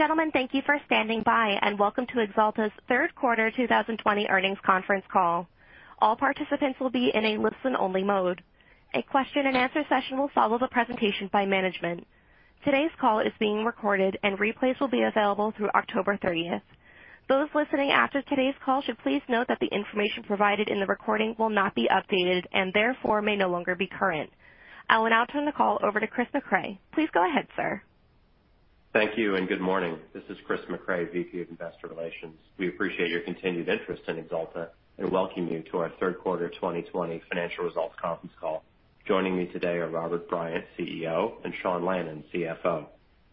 Ladies and gentlemen, thank you for standing by, and welcome to Axalta's Third Quarter 2020 Earnings Conference Call. All participants will be in a listen-only mode. A question-and-answer session will follow the presentation by management. Today's call is being recorded and replays will be available through October 30th. Those listening after today's call should please note that the information provided in the recording will not be updated and therefore may no longer be current. I will now turn the call over to Christopher Mecray. Please go ahead, sir. Thank you and good morning. This is Christopher Mecray, VP of Investor Relations. We appreciate your continued interest in Axalta and welcome you to our third quarter 2020 financial results conference call. Joining me today are Robert Bryant, CEO, and Sean Lannon, CFO.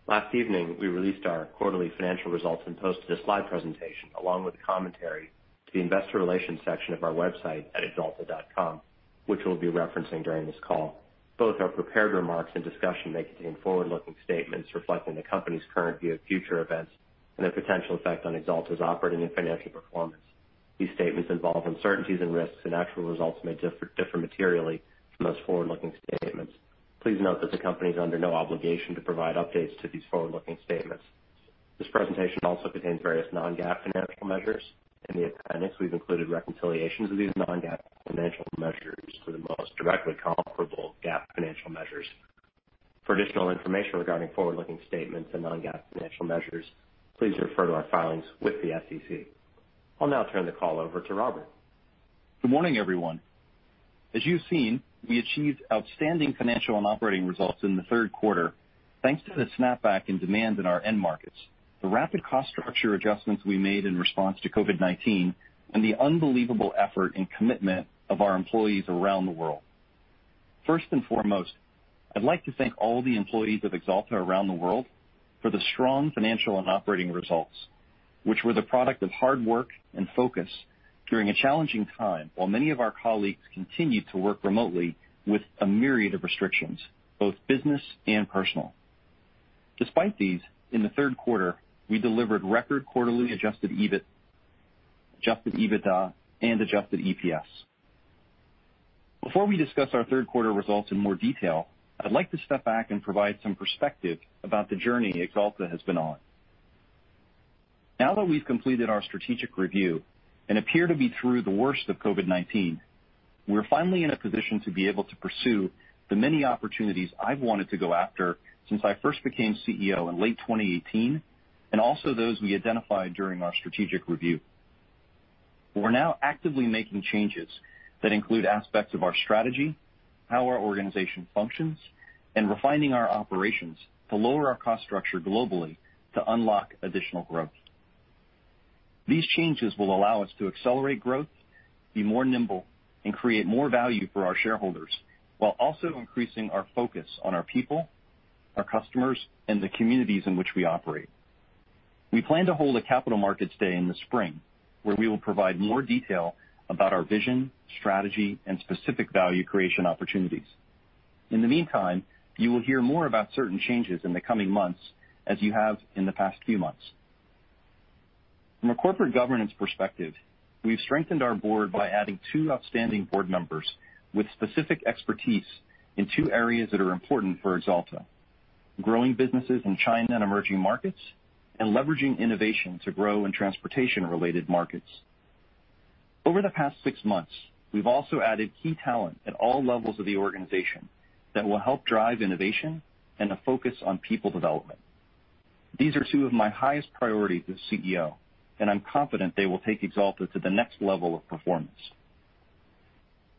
Last evening, we released our quarterly financial results and posted a slide presentation along with commentary to the investor relations section of our website at axalta.com, which we'll be referencing during this call. Both our prepared remarks and discussion may contain forward-looking statements reflecting the company's current view of future events and the potential effect on Axalta's operating and financial performance. These statements involve uncertainties and risks, and actual results may differ materially from those forward-looking statements. Please note that the company is under no obligation to provide updates to these forward-looking statements. This presentation also contains various non-GAAP financial measures. In the appendix, we've included reconciliations of these non-GAAP financial measures to the most directly comparable GAAP financial measures. For additional information regarding forward-looking statements and non-GAAP financial measures, please refer to our filings with the SEC. I'll now turn the call over to Robert. Good morning, everyone. As you've seen, we achieved outstanding financial and operating results in the third quarter thanks to the snapback in demand in our end markets, the rapid cost structure adjustments we made in response to COVID-19, and the unbelievable effort and commitment of our employees around the world. First and foremost, I'd like to thank all the employees of Axalta around the world for the strong financial and operating results, which were the product of hard work and focus during a challenging time while many of our colleagues continued to work remotely with a myriad of restrictions, both business and personal. Despite these, in the third quarter, we delivered record quarterly adjusted EBIT, adjusted EBITDA, and adjusted EPS. Before we discuss our third quarter results in more detail, I'd like to step back and provide some perspective about the journey Axalta has been on. Now that we've completed our strategic review and appear to be through the worst of COVID-19, we're finally in a position to be able to pursue the many opportunities I've wanted to go after since I first became CEO in late 2018, and also those we identified during our strategic review. We're now actively making changes that include aspects of our strategy, how our organization functions, and refining our operations to lower our cost structure globally to unlock additional growth. These changes will allow us to accelerate growth, be more nimble, and create more value for our shareholders while also increasing our focus on our people, our customers, and the communities in which we operate. We plan to hold a Capital Markets Day in the spring, where we will provide more detail about our vision, strategy, and specific value creation opportunities. In the meantime, you will hear more about certain changes in the coming months, as you have in the past few months. From a corporate governance perspective, we've strengthened our board by adding two outstanding board members with specific expertise in two areas that are important for Axalta: growing businesses in China and emerging markets, and leveraging innovation to grow in transportation-related markets. Over the past six months, we've also added key talent at all levels of the organization that will help drive innovation and a focus on people development. These are two of my highest priorities as CEO, and I'm confident they will take Axalta to the next level of performance.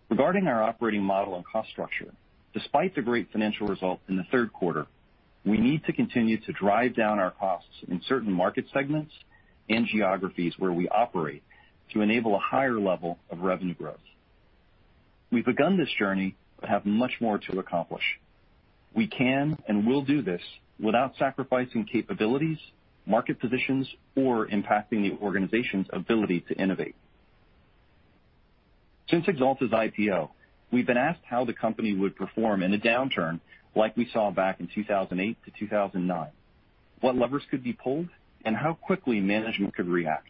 Regarding our operating model and cost structure, despite the great financial results in the third quarter, we need to continue to drive down our costs in certain market segments and geographies where we operate to enable a higher level of revenue growth. We've begun this journey but have much more to accomplish. We can and will do this without sacrificing capabilities, market positions, or impacting the organization's ability to innovate. Since Axalta's IPO, we've been asked how the company would perform in a downturn like we saw back in 2008 to 2009, what levers could be pulled, and how quickly management could react.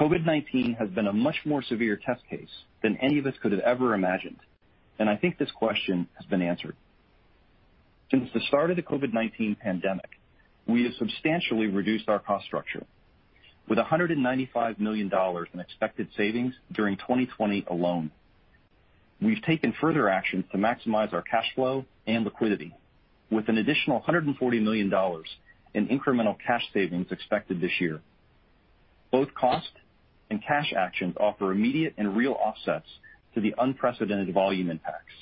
COVID-19 has been a much more severe test case than any of us could have ever imagined, and I think this question has been answered. Since the start of the COVID-19 pandemic, we have substantially reduced our cost structure with $195 million in expected savings during 2020 alone. We've taken further actions to maximize our cash flow and liquidity with an additional $140 million in incremental cash savings expected this year. Both cost and cash actions offer immediate and real offsets to the unprecedented volume impacts,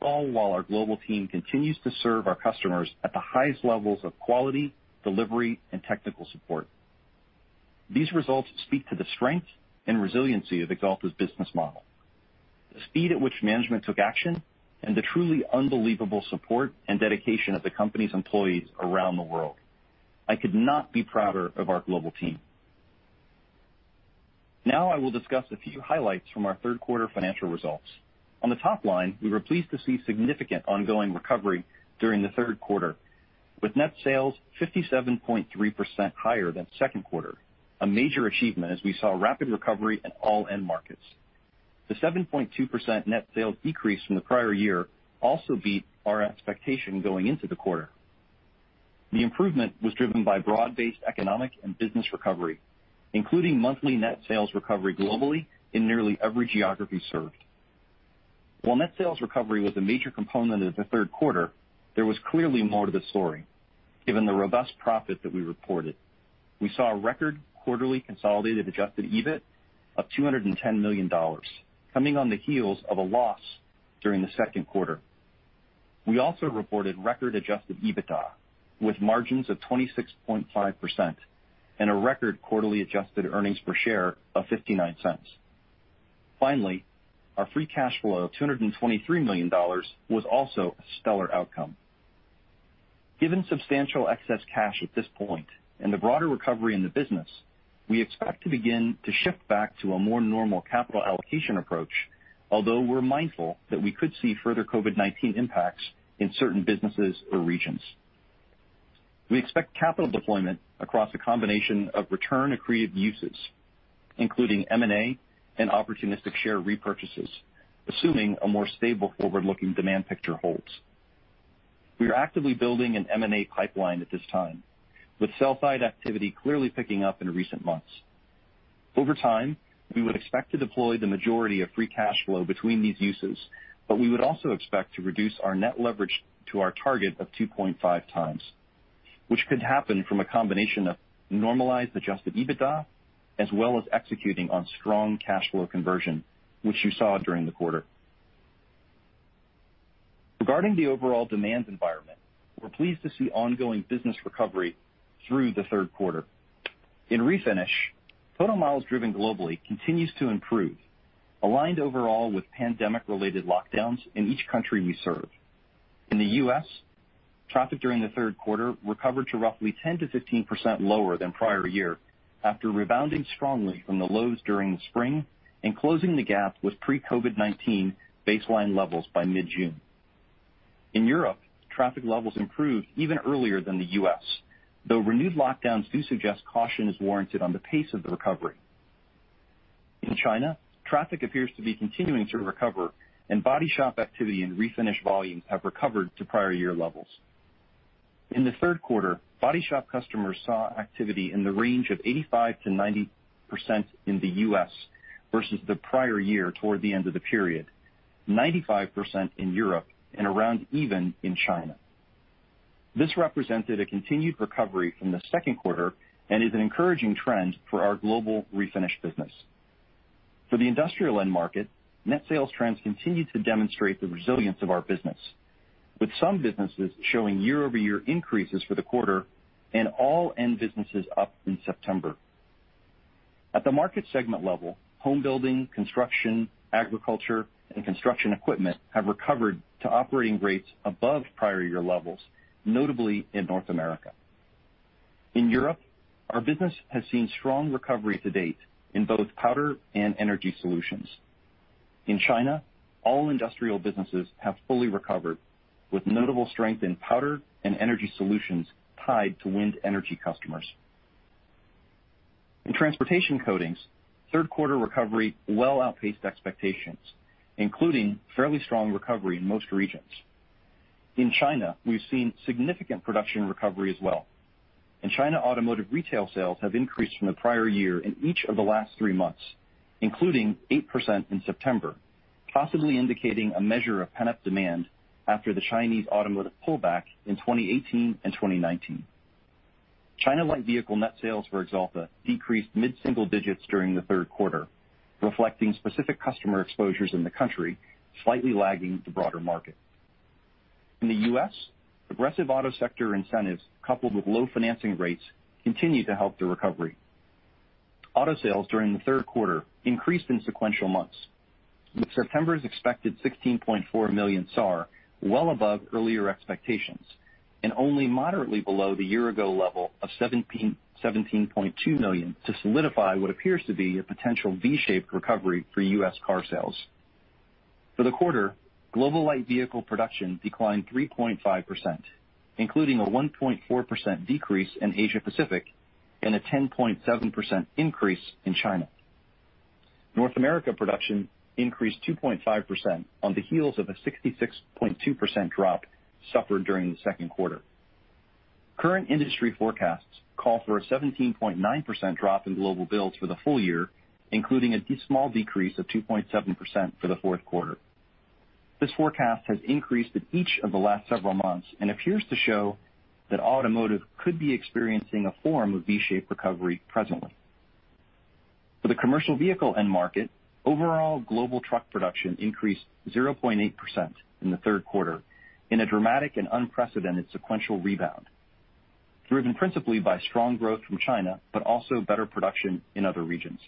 all while our global team continues to serve our customers at the highest levels of quality, delivery, and technical support. These results speak to the strength and resiliency of Axalta's business model, the speed at which management took action, and the truly unbelievable support and dedication of the company's employees around the world. I could not be prouder of our global team. Now I will discuss a few highlights from our third quarter financial results. On the top line, we were pleased to see significant ongoing recovery during the third quarter, with net sales 57.3% higher than the second quarter, a major achievement as we saw rapid recovery in all end markets. The 7.2% net sales decrease from the prior year also beat our expectation going into the quarter. The improvement was driven by broad-based economic and business recovery, including monthly net sales recovery globally in nearly every geography served. While net sales recovery was a major component of the third quarter, there was clearly more to the story, given the robust profit that we reported. We saw a record quarterly consolidated Adjusted EBIT of $210 million, coming on the heels of a loss during the second quarter. We also reported record adjusted EBITDA with margins of 26.5% and a record quarterly adjusted earnings per share of $0.59. Finally, our free cash flow of $223 million was also a stellar outcome. Given substantial excess cash at this point and the broader recovery in the business, we expect to begin to shift back to a more normal capital allocation approach, although we're mindful that we could see further COVID-19 impacts in certain businesses or regions. We expect capital deployment across a combination of return accretive uses, including M&A and opportunistic share repurchases, assuming a more stable forward-looking demand picture holds. We are actively building an M&A pipeline at this time, with sell-side activity clearly picking up in recent months. Over time, we would expect to deploy the majority of free cash flow between these uses, but we would also expect to reduce our net leverage to our target of 2.5x, which could happen from a combination of normalized adjusted EBITDA, as well as executing on strong cash flow conversion, which you saw during the quarter. Regarding the overall demand environment, we're pleased to see ongoing business recovery through the third quarter. In Refinish, total miles driven globally continues to improve, aligned overall with pandemic-related lockdowns in each country we serve. In the U.S., traffic during the third quarter recovered to roughly 10%-15% lower than prior year after rebounding strongly from the lows during the spring and closing the gap with pre-COVID-19 baseline levels by mid-June. In Europe, traffic levels improved even earlier than the U.S., though renewed lockdowns do suggest caution is warranted on the pace of the recovery. In China, traffic appears to be continuing to recover, and body shop activity and Refinish volumes have recovered to prior year levels. In the third quarter, body shop customers saw activity in the range of 85%-90% in the U.S. versus the prior year toward the end of the period, 95% in Europe, and around even in China. This represented a continued recovery from the second quarter and is an encouraging trend for our global Refinish business. For the Industrial end market, net sales trends continue to demonstrate the resilience of our business, with some businesses showing year-over-year increases for the quarter and all end businesses up in September. At the market segment level, home building, construction, agriculture, and construction equipment have recovered to operating rates above prior year levels, notably in North America. In Europe, our business has seen strong recovery to date in both powder and Energy Solutions. In China, all industrial businesses have fully recovered, with notable strength in powder and Energy Solutions tied to wind energy customers. In Transportation Coatings, third quarter recovery well outpaced expectations, including fairly strong recovery in most regions. In China, we've seen significant production recovery as well. In China, automotive retail sales have increased from the prior year in each of the last three months, including 8% in September, possibly indicating a measure of pent-up demand after the Chinese automotive pullback in 2018 and 2019. China Light Vehicle net sales for Axalta decreased mid-single digits during the third quarter, reflecting specific customer exposures in the country, slightly lagging the broader market. In the U.S., aggressive auto sector incentives, coupled with low financing rates, continue to help the recovery. Auto sales during the third quarter increased in sequential months, with September's expected 16.4 million SAR well above earlier expectations and only moderately below the year-ago level of $17.2 million to solidify what appears to be a potential V-shaped recovery for U.S. car sales. For the quarter, global Light Vehicle production declined 3.5%, including a 1.4% decrease in Asia Pacific and a 10.7% increase in China. North America production increased 2.5% on the heels of a 66.2% drop suffered during the second quarter. Current industry forecasts call for a 17.9% drop in global builds for the full year, including a small decrease of 2.7% for the fourth quarter. This forecast has increased in each of the last several months and appears to show that automotive could be experiencing a form of V-shaped recovery presently. For the Commercial Vehicle end market, overall global truck production increased 0.8% in the third quarter in a dramatic and unprecedented sequential rebound, driven principally by strong growth from China, but also better production in other regions.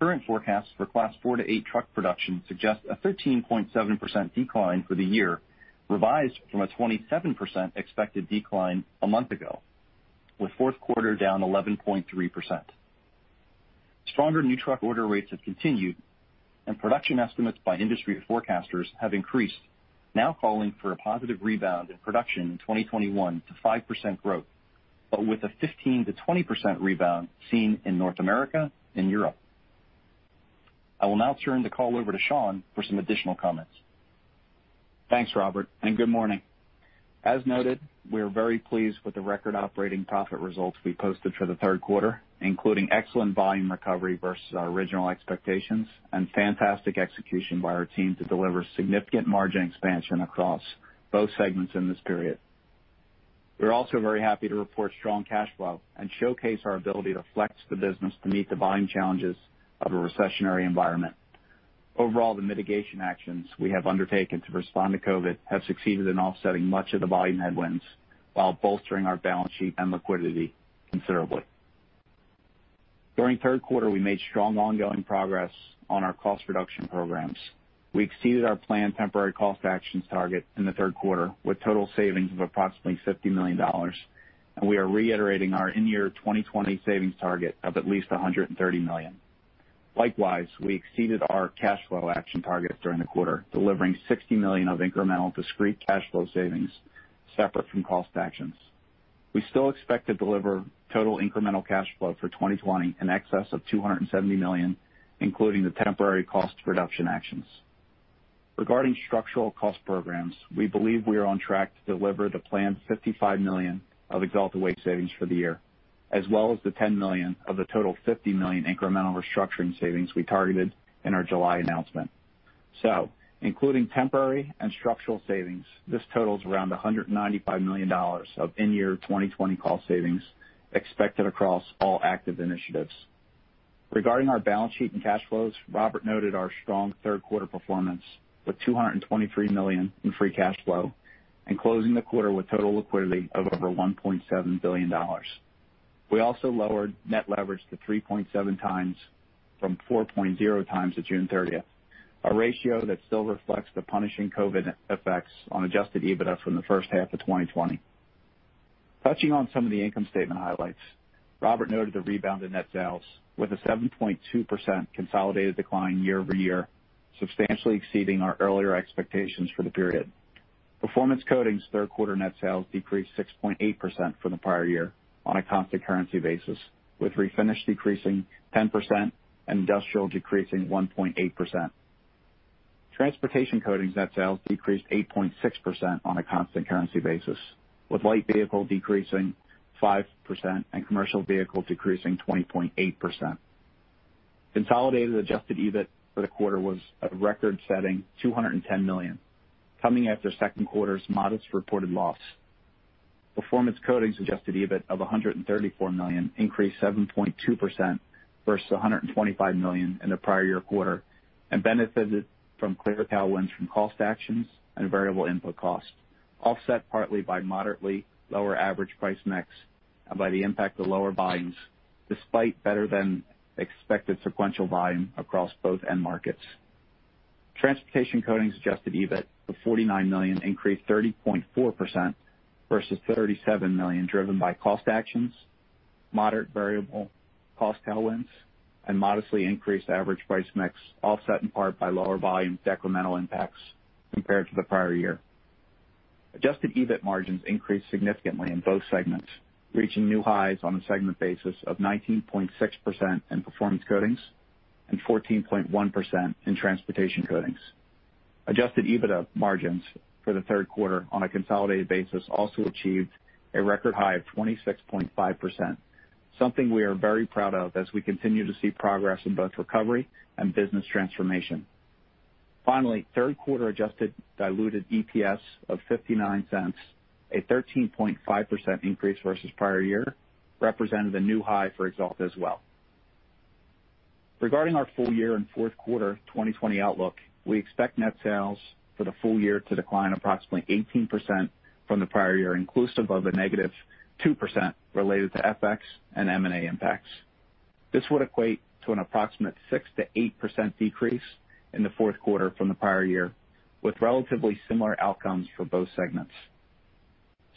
Current forecasts for Class 4 to 8 truck production suggest a 13.7% decline for the year, revised from a 27% expected decline a month ago, with fourth quarter down 11.3%. Stronger new truck order rates have continued, and production estimates by industry forecasters have increased, now calling for a positive rebound in production in 2021 to 5% growth. With a 15%-20% rebound seen in North America and Europe. I will now turn the call over to Sean for some additional comments. Thanks, Robert, and good morning. As noted, we are very pleased with the record operating profit results we posted for the third quarter, including excellent volume recovery versus our original expectations and fantastic execution by our team to deliver significant margin expansion across both segments in this period. We're also very happy to report strong cash flow and showcase our ability to flex the business to meet the buying challenges of a recessionary environment. Overall, the mitigation actions we have undertaken to respond to COVID-19 have succeeded in offsetting much of the volume headwinds while bolstering our balance sheet and liquidity considerably. During the third quarter, we made strong ongoing progress on our cost reduction programs. We exceeded our planned temporary cost actions target in the third quarter with total savings of approximately $50 million. We are reiterating our in-year 2020 savings target of at least $130 million. Likewise, we exceeded our cash flow action targets during the quarter, delivering $60 million of incremental discrete cash flow savings separate from cost actions. We still expect to deliver total incremental cash flow for 2020 in excess of $270 million, including the temporary cost reduction actions. Regarding structural cost programs, we believe we are on track to deliver the planned $55 million of Axalta-wide savings for the year. As well as the $10 million of the total $50 million incremental restructuring savings we targeted in our July announcement. Including temporary and structural savings, this totals around $195 million of in-year 2020 cost savings expected across all active initiatives. Regarding our balance sheet and cash flows, Robert noted our strong third quarter performance, with $223 million in free cash flow and closing the quarter with total liquidity of over $1.7 billion. We also lowered net leverage to 3.7x from 4.0x at June 30th, a ratio that still reflects the punishing COVID-19 effects on adjusted EBITDA from the first half of 2020. Touching on some of the income statement highlights, Robert noted the rebound in net sales with a 7.2% consolidated decline year-over-year, substantially exceeding our earlier expectations for the period. Performance Coatings' third quarter net sales decreased 6.8% from the prior year on a constant currency basis, with Refinish decreasing 10% and Industrial decreasing 1.8%. Transportation Coatings net sales decreased 8.6% on a constant currency basis, with Light Vehicle decreasing 5% and Commercial Vehicle decreasing 20.8%. Consolidated Adjusted EBIT for the quarter was a record-setting $210 million, coming after the second quarter's modest reported loss. Performance Coatings' Adjusted EBIT of $134 million increased 7.2% versus $125 million in the prior year quarter and benefited from clear tailwinds from cost actions and variable input costs, offset partly by moderately lower average price mix and by the impact of lower volumes, despite better-than-expected sequential volume across both end markets. Transportation Coatings' adjusted EBIT of $49 million increased 30.4% versus $37 million, driven by cost actions, moderate variable cost tailwinds, and modestly increased average price mix, offset in part by lower volume decremental impacts compared to the prior year. Adjusted EBIT margins increased significantly in both segments, reaching new highs on a segment basis of 19.6% in Performance Coatings and 14.1% in Transportation Coatings. Adjusted EBITDA margins for the third quarter on a consolidated basis also achieved a record high of 26.5%, something we are very proud of as we continue to see progress in both recovery and business transformation. Finally, third quarter adjusted diluted EPS of $0.59, a 13.5% increase versus the prior year, represented a new high for Axalta as well. Regarding our full year and fourth quarter 2020 outlook, we expect net sales for the full year to decline approximately 18% from the prior year, inclusive of a negative 2% related to FX and M&A impacts. This would equate to an approximate 6%-8% decrease in the fourth quarter from the prior year, with relatively similar outcomes for both segments.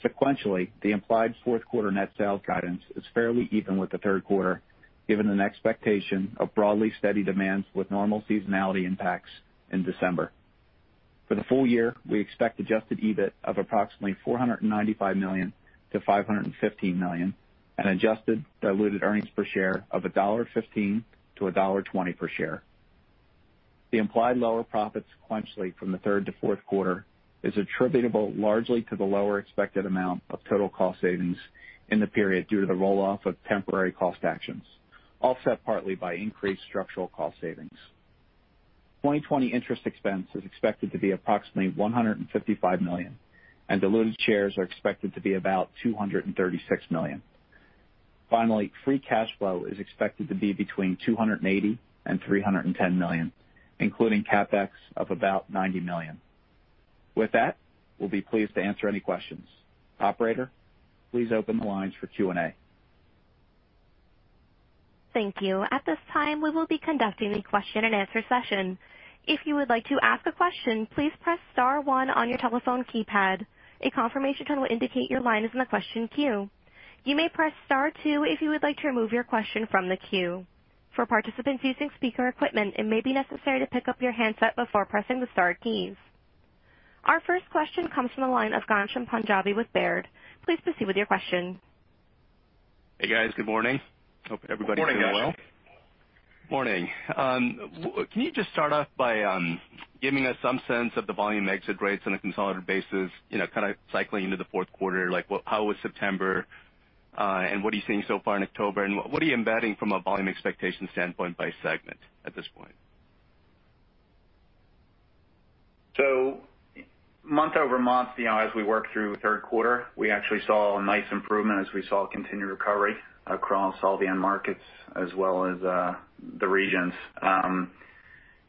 Sequentially, the implied fourth quarter net sales guidance is fairly even with the third quarter, given an expectation of broadly steady demand with normal seasonality impacts in December. For the full year, we expect adjusted EBIT of approximately $495 million-$515 million and adjusted diluted earnings per share of $1.15-$1.20 per share. The implied lower profits sequentially from the third to fourth quarter is attributable largely to the lower expected amount of total cost savings in the period due to the roll-off of temporary cost actions, offset partly by increased structural cost savings. 2020 interest expense is expected to be approximately $155 million, and diluted shares are expected to be about $236 million. Finally, free cash flow is expected to be between $280 million and $310 million, including CapEx of about $90 million. With that, we'll be pleased to answer any questions. Operator, please open the lines for Q&A. Thank you. Our first question comes from the line of Ghansham Panjabi with Baird. Please proceed with your question. Hey, guys. Good morning. Hope everybody is doing well. Good morning, Ghansham. Morning. Can you just start off by giving us some sense of the volume exit rates on a consolidated basis, cycling into the fourth quarter, like how was September? What are you seeing so far in October, and what are you embedding from a volume expectation standpoint by segment at this point? Month-over-month, as we work through third quarter, we actually saw a nice improvement as we saw continued recovery across all the end markets as well as the regions.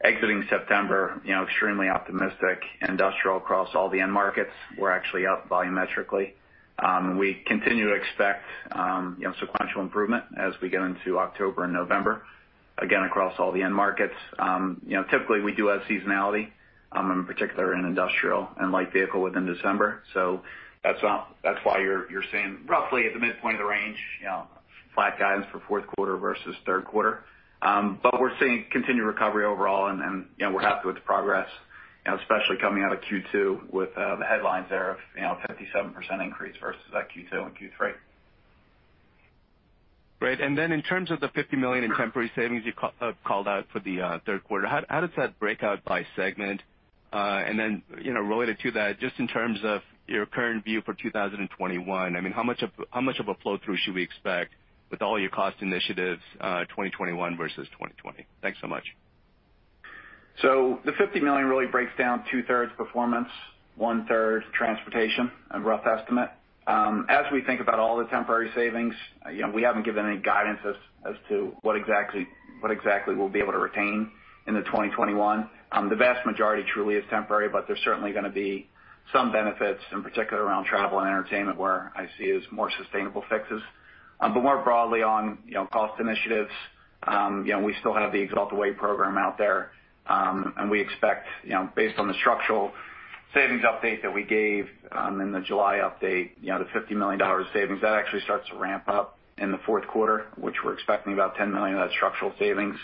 Exiting September, extremely optimistic Industrial across all the end markets. We're actually up volumetrically. We continue to expect sequential improvement as we get into October and November, again, across all the end markets. Typically, we do have seasonality, in particular in Industrial and Light Vehicle within December. That's why you're seeing roughly at the midpoint of the range, flat guidance for fourth quarter versus third quarter. We're seeing continued recovery overall, and we're happy with the progress, especially coming out of Q2 with the headlines there of 57% increase versus that Q2 and Q3. Great. In terms of the $50 million in temporary savings you called out for the third quarter, how does that break out by segment? Related to that, just in terms of your current view for 2021, how much of a flow-through should we expect with all your cost initiatives, 2021 versus 2020? Thanks so much. The $50 million really breaks down 2/3 Performance, 1/3 Transportation, a rough estimate. As we think about all the temporary savings, we haven't given any guidance as to what exactly we'll be able to retain into 2021. The vast majority truly is temporary, but there's certainly going to be some benefits, in particular around travel and entertainment, where I see as more sustainable fixes. More broadly on cost initiatives, we still have the Axalta Way program out there. We expect, based on the structural savings update that we gave in the July update, the $50 million savings, that actually starts to ramp up in the fourth quarter, which we're expecting about $10 million of that structural savings,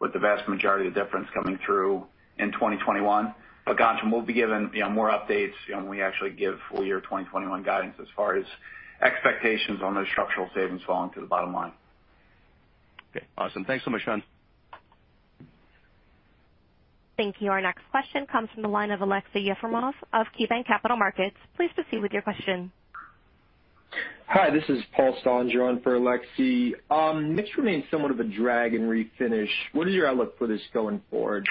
with the vast majority of the difference coming through in 2021. Ghansham, we'll be giving more updates when we actually give full year 2021 guidance as far as expectations on those structural savings falling to the bottom line. Okay, awesome. Thanks so much, Sean. Thank you. Our next question comes from the line of Aleksey Yefremov of KeyBanc Capital Markets. Please proceed with your question. Hi, this is Paul Staudinger on for Aleksey. Mix remains somewhat of a drag in Refinish. What is your outlook for this going forward?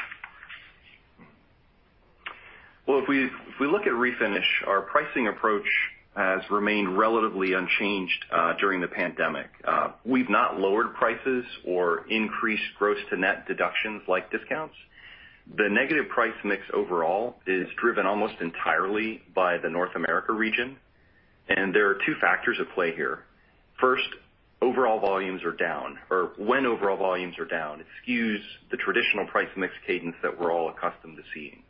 Well, if we look at Refinish, our pricing approach has remained relatively unchanged during the pandemic. We've not lowered prices or increased gross to net deductions like discounts. The negative price mix overall is driven almost entirely by the North America region, and there are two factors at play here. First, when overall volumes are down, it skews the traditional price mix cadence that we're all accustomed to seeing.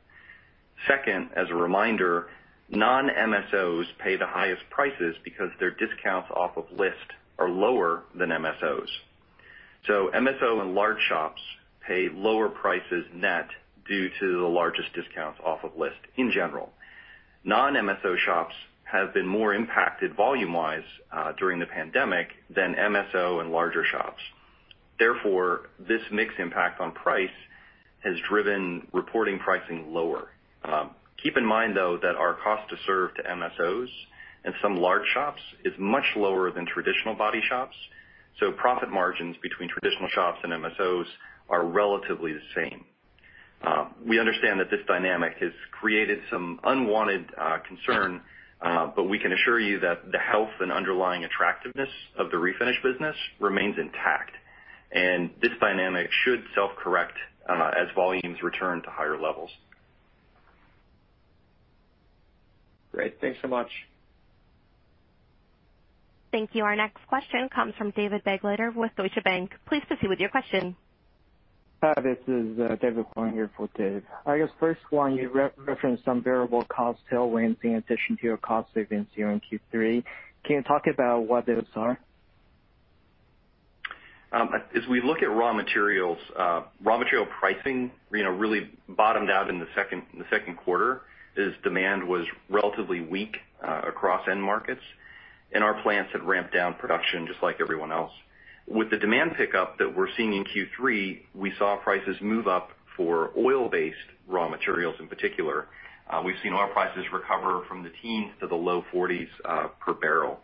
Second, as a reminder, non-MSOs pay the highest prices because their discounts off of list are lower than MSOs. MSO and large shops pay lower prices net due to the largest discounts off of list, in general. Non-MSO shops have been more impacted volume-wise during the pandemic than MSO and larger shops. Therefore, this mix impact on price has driven reporting pricing lower. Keep in mind, though, that our cost to serve to MSOs and some large shops is much lower than traditional body shops. Profit margins between traditional shops and MSOs are relatively the same. We understand that this dynamic has created some unwanted concern. We can assure you that the health and underlying attractiveness of the Refinish business remains intact. This dynamic should self-correct as volumes return to higher levels. Great. Thanks so much. Thank you. Our next question comes from David Begleiter with Deutsche Bank. Please proceed with your question. Hi, this is David calling here for Dave. I guess first one, you referenced some variable cost tailwinds in addition to your cost savings here in Q3. Can you talk about what those are? As we look at raw materials, raw material pricing really bottomed out in the second quarter as demand was relatively weak across end markets, and our plants had ramped down production just like everyone else. With the demand pickup that we're seeing in Q3, we saw prices move up for oil-based raw materials in particular. We've seen oil prices recover from the teens to the low $40s per barrel.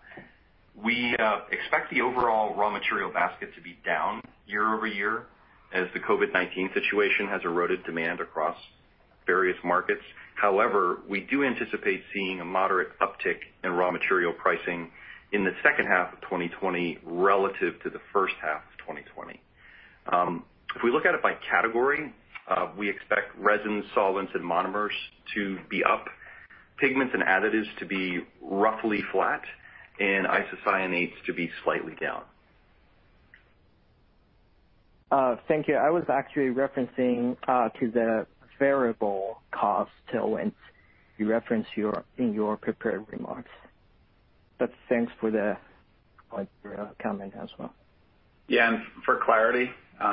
We expect the overall raw material basket to be down year-over-year as the COVID-19 situation has eroded demand across various markets. However, we do anticipate seeing a moderate uptick in raw material pricing in the second half of 2020 relative to the first half of 2020. If we look at it by category, we expect resins, solvents, and monomers to be up, pigments and additives to be roughly flat, and isocyanates to be slightly down. Thank you. I was actually referencing to the variable cost tailwinds you referenced in your prepared remarks. Thanks for the comment as well. Yeah. For clarity,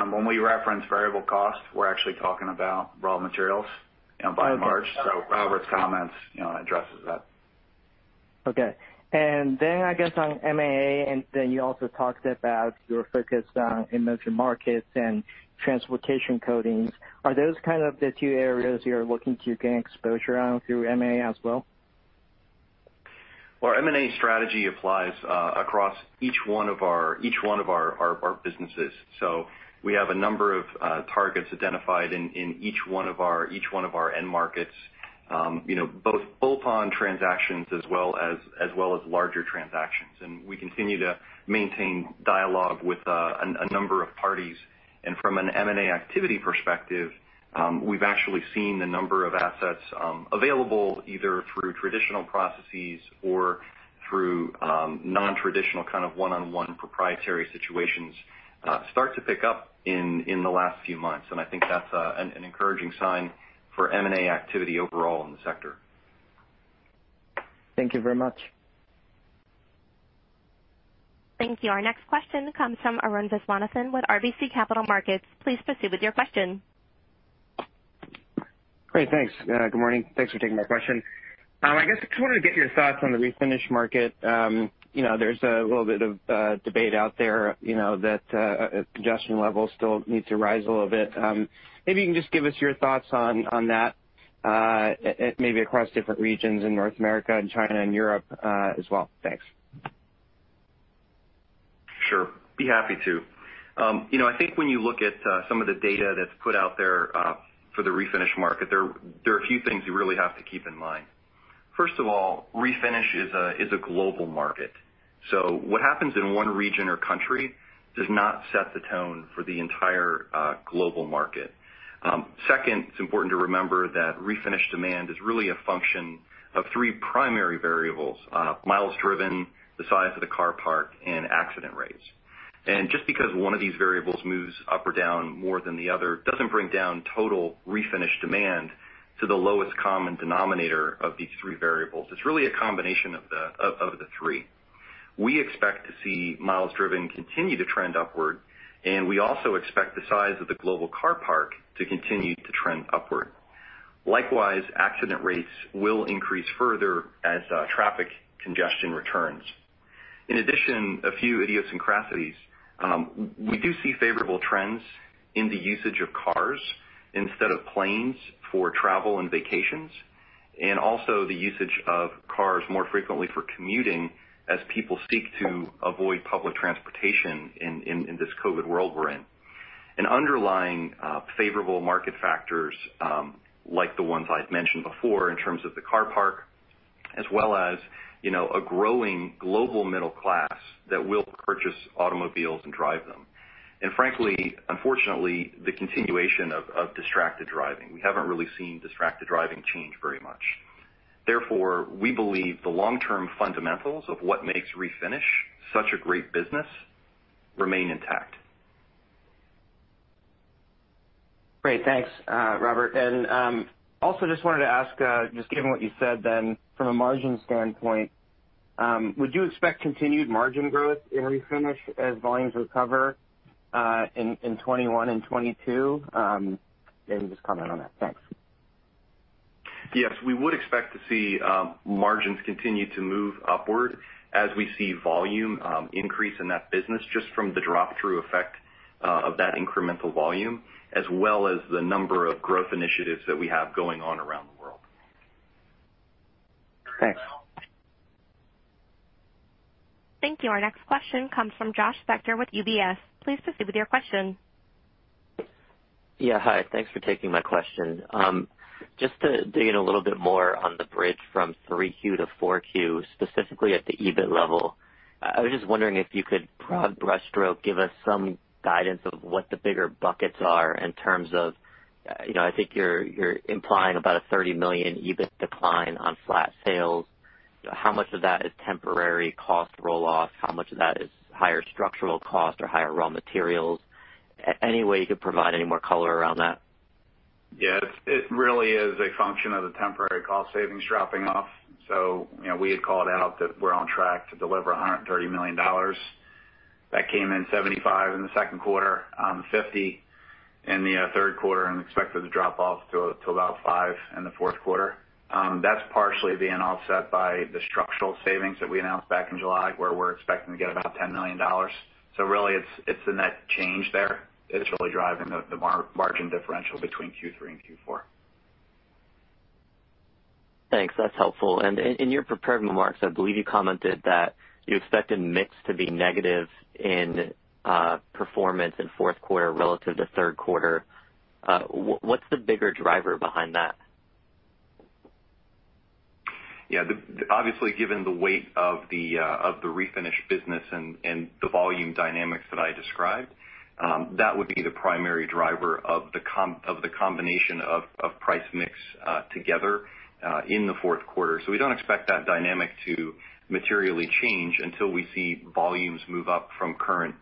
when we reference variable cost, we're actually talking about raw materials, by and large. Robert's comments addresses that. Okay. I guess on M&A, and then you also talked about your focus on emerging markets and Transportation Coatings. Are those kind of the two areas you're looking to gain exposure on through M&A as well? Well, our M&A strategy applies across each one of our businesses. We have a number of targets identified in each one of our end markets, both bolt-on transactions as well as larger transactions. We continue to maintain dialogue with a number of parties. From an M&A activity perspective, we've actually seen the number of assets available, either through traditional processes or through non-traditional kind of one-on-one proprietary situations, start to pick up in the last few months. I think that's an encouraging sign for M&A activity overall in the sector. Thank you very much. Thank you. Our next question comes from Arun Viswanathan with RBC Capital Markets. Please proceed with your question. Great, thanks. Good morning. Thanks for taking my question. I guess I just wanted to get your thoughts on the Refinish market. There's a little bit of debate out there that congestion levels still need to rise a little bit. Maybe you can just give us your thoughts on that, maybe across different regions in North America and China and Europe as well. Thanks. Sure. Be happy to. I think when you look at some of the data that's put out there for the refinish market, there are a few things you really have to keep in mind. First of all, refinish is a global market. What happens in one region or country does not set the tone for the entire global market. Second, it's important to remember that refinish demand is really a function of three primary variables: miles driven, the size of the car park, and accident rates. Just because one of these variables moves up or down more than the other doesn't bring down total refinish demand to the lowest common denominator of these three variables. It's really a combination of the three. We expect to see miles driven continue to trend upward, and we also expect the size of the global car park to continue to trend upward. Likewise, accident rates will increase further as traffic congestion returns. In addition, a few idiosyncrasies. We do see favorable trends in the usage of cars instead of planes for travel and vacations, also the usage of cars more frequently for commuting as people seek to avoid public transportation in this COVID-19 world we're in. Underlying favorable market factors, like the ones I've mentioned before in terms of the car park, as well as a growing global middle class that will purchase automobiles and drive them. Frankly, unfortunately, the continuation of distracted driving. We haven't really seen distracted driving change very much. Therefore, we believe the long-term fundamentals of what makes Refinish such a great business remain intact. Great. Thanks, Robert. Also just wanted to ask, just given what you said then, from a margin standpoint, would you expect continued margin growth in Refinish as volumes recover in 2021 and 2022? Maybe just comment on that. Thanks. We would expect to see margins continue to move upward as we see volume increase in that business, just from the drop-through effect of that incremental volume, as well as the number of growth initiatives that we have going on around the world. Thanks. Thank you. Our next question comes from Josh Spector with UBS. Please proceed with your question. Yeah. Hi. Thanks for taking my question. Just to dig in a little bit more on the bridge from Q3 to Q4, specifically at the EBIT level. I was just wondering if you could broad brushstroke give us some guidance of what the bigger buckets are in terms of, I think you're implying about a $30 million EBIT decline on flat sales. How much of that is temporary cost roll-off? How much of that is higher structural cost or higher raw materials? Any way you could provide any more color around that? Yeah. It really is a function of the temporary cost savings dropping off. We had called out that we're on track to deliver $130 million. That came in $75 in the second quarter, $50 in the third quarter, and expected to drop off to about $5 in the fourth quarter. That's partially being offset by the structural savings that we announced back in July, where we're expecting to get about $10 million. Really, it's the net change there that's really driving the margin differential between Q3 and Q4. Thanks. That's helpful. In your prepared remarks, I believe you commented that you expected mix to be negative in Performance Coatings in fourth quarter relative to third quarter. What's the bigger driver behind that? Yeah. Obviously, given the weight of the Refinish business and the volume dynamics that I described, that would be the primary driver of the combination of price mix together in the fourth quarter. We don't expect that dynamic to materially change until we see volumes move up from current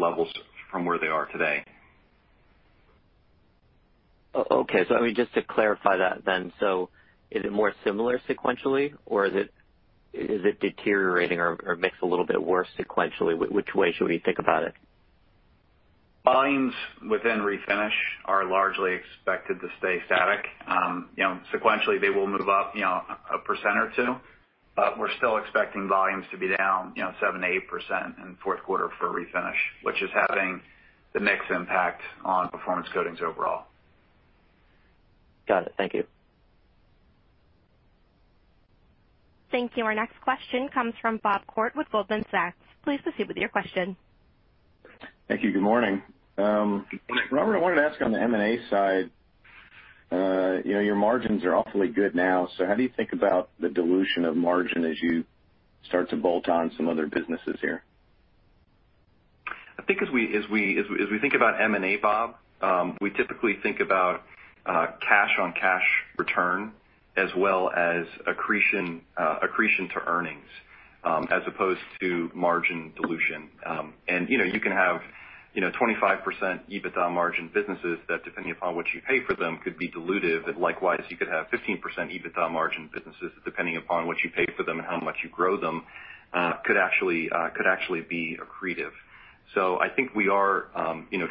levels from where they are today. Okay. Just to clarify that then, so is it more similar sequentially, or is it deteriorating or mixed a little bit worse sequentially? Which way should we think about it? Volumes within Refinish are largely expected to stay static. Sequentially they will move up a percent or two, but we're still expecting volumes to be down 7%-8% in the fourth quarter for Refinish, which is having the mix impact on Performance Coatings overall. Got it. Thank you. Thank you. Our next question comes from Bob Koort with Goldman Sachs. Please proceed with your question. Thank you. Good morning. Good morning. Robert, I wanted to ask on the M&A side. Your margins are awfully good now, so how do you think about the dilution of margin as you start to bolt on some other businesses here? I think as we think about M&A, Bob, we typically think about cash on cash return as well as accretion to earnings, as opposed to margin dilution. You can have 25% EBITDA margin businesses that, depending upon what you pay for them, could be dilutive. Likewise, you could have 15% EBITDA margin businesses, depending upon what you pay for them and how much you grow them, could actually be accretive. I think we are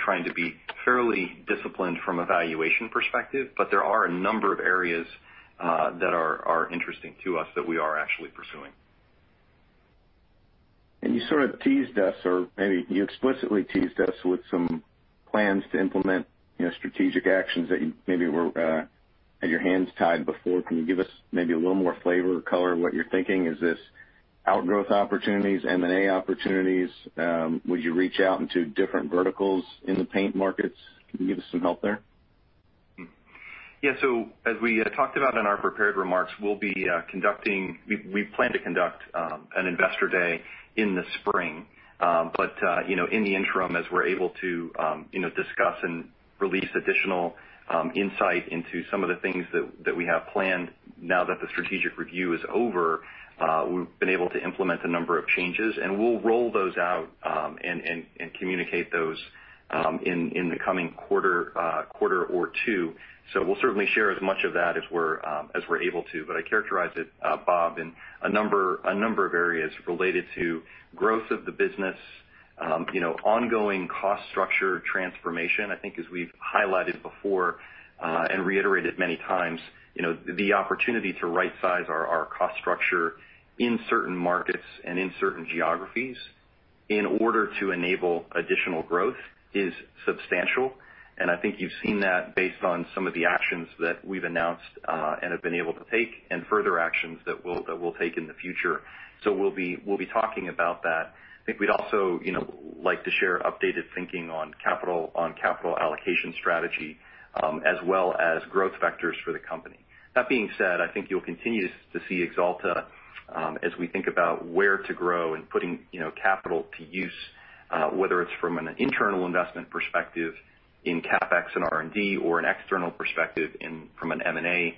trying to be fairly disciplined from a valuation perspective, but there are a number of areas that are interesting to us that we are actually pursuing. You sort of teased us, or maybe you explicitly teased us with some plans to implement strategic actions that maybe had your hands tied before. Can you give us maybe a little more flavor or color on what you're thinking? Is this outgrowth opportunities, M&A opportunities? Would you reach out into different verticals in the paint markets? Can you give us some help there? Yeah. As we talked about in our prepared remarks, we plan to conduct an Investor Day in the spring. In the interim, as we're able to discuss and release additional insight into some of the things that we have planned now that the strategic review is over, we've been able to implement a number of changes, and we'll roll those out, and communicate those in the coming quarter or two. We'll certainly share as much of that as we're able to. I characterize it, Bob, in a number of areas related to growth of the business, ongoing cost structure transformation. I think as we've highlighted before, and reiterated many times, the opportunity to right size our cost structure in certain markets and in certain geographies in order to enable additional growth is substantial, and I think you've seen that based on some of the actions that we've announced, and have been able to take, and further actions that we'll take in the future. We'll be talking about that. I think we'd also like to share updated thinking on capital allocation strategy, as well as growth vectors for the company. That being said, I think you'll continue to see Axalta, as we think about where to grow and putting capital to use, whether it's from an internal investment perspective in CapEx and R&D or an external perspective from an M&A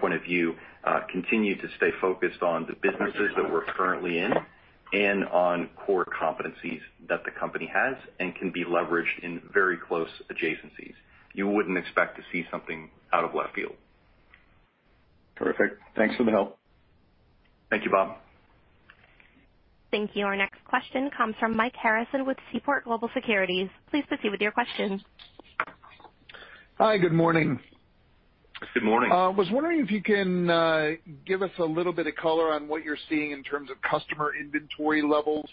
point of view, continue to stay focused on the businesses that we're currently in and on core competencies that the company has and can be leveraged in very close adjacencies. You wouldn't expect to see something out of left field. Terrific. Thanks for the help. Thank you, Bob. Thank you. Our next question comes from Mike Harrison with Seaport Global Securities. Please proceed with your question. Hi. Good morning. Good morning. I was wondering if you can give us a little bit of color on what you're seeing in terms of customer inventory levels.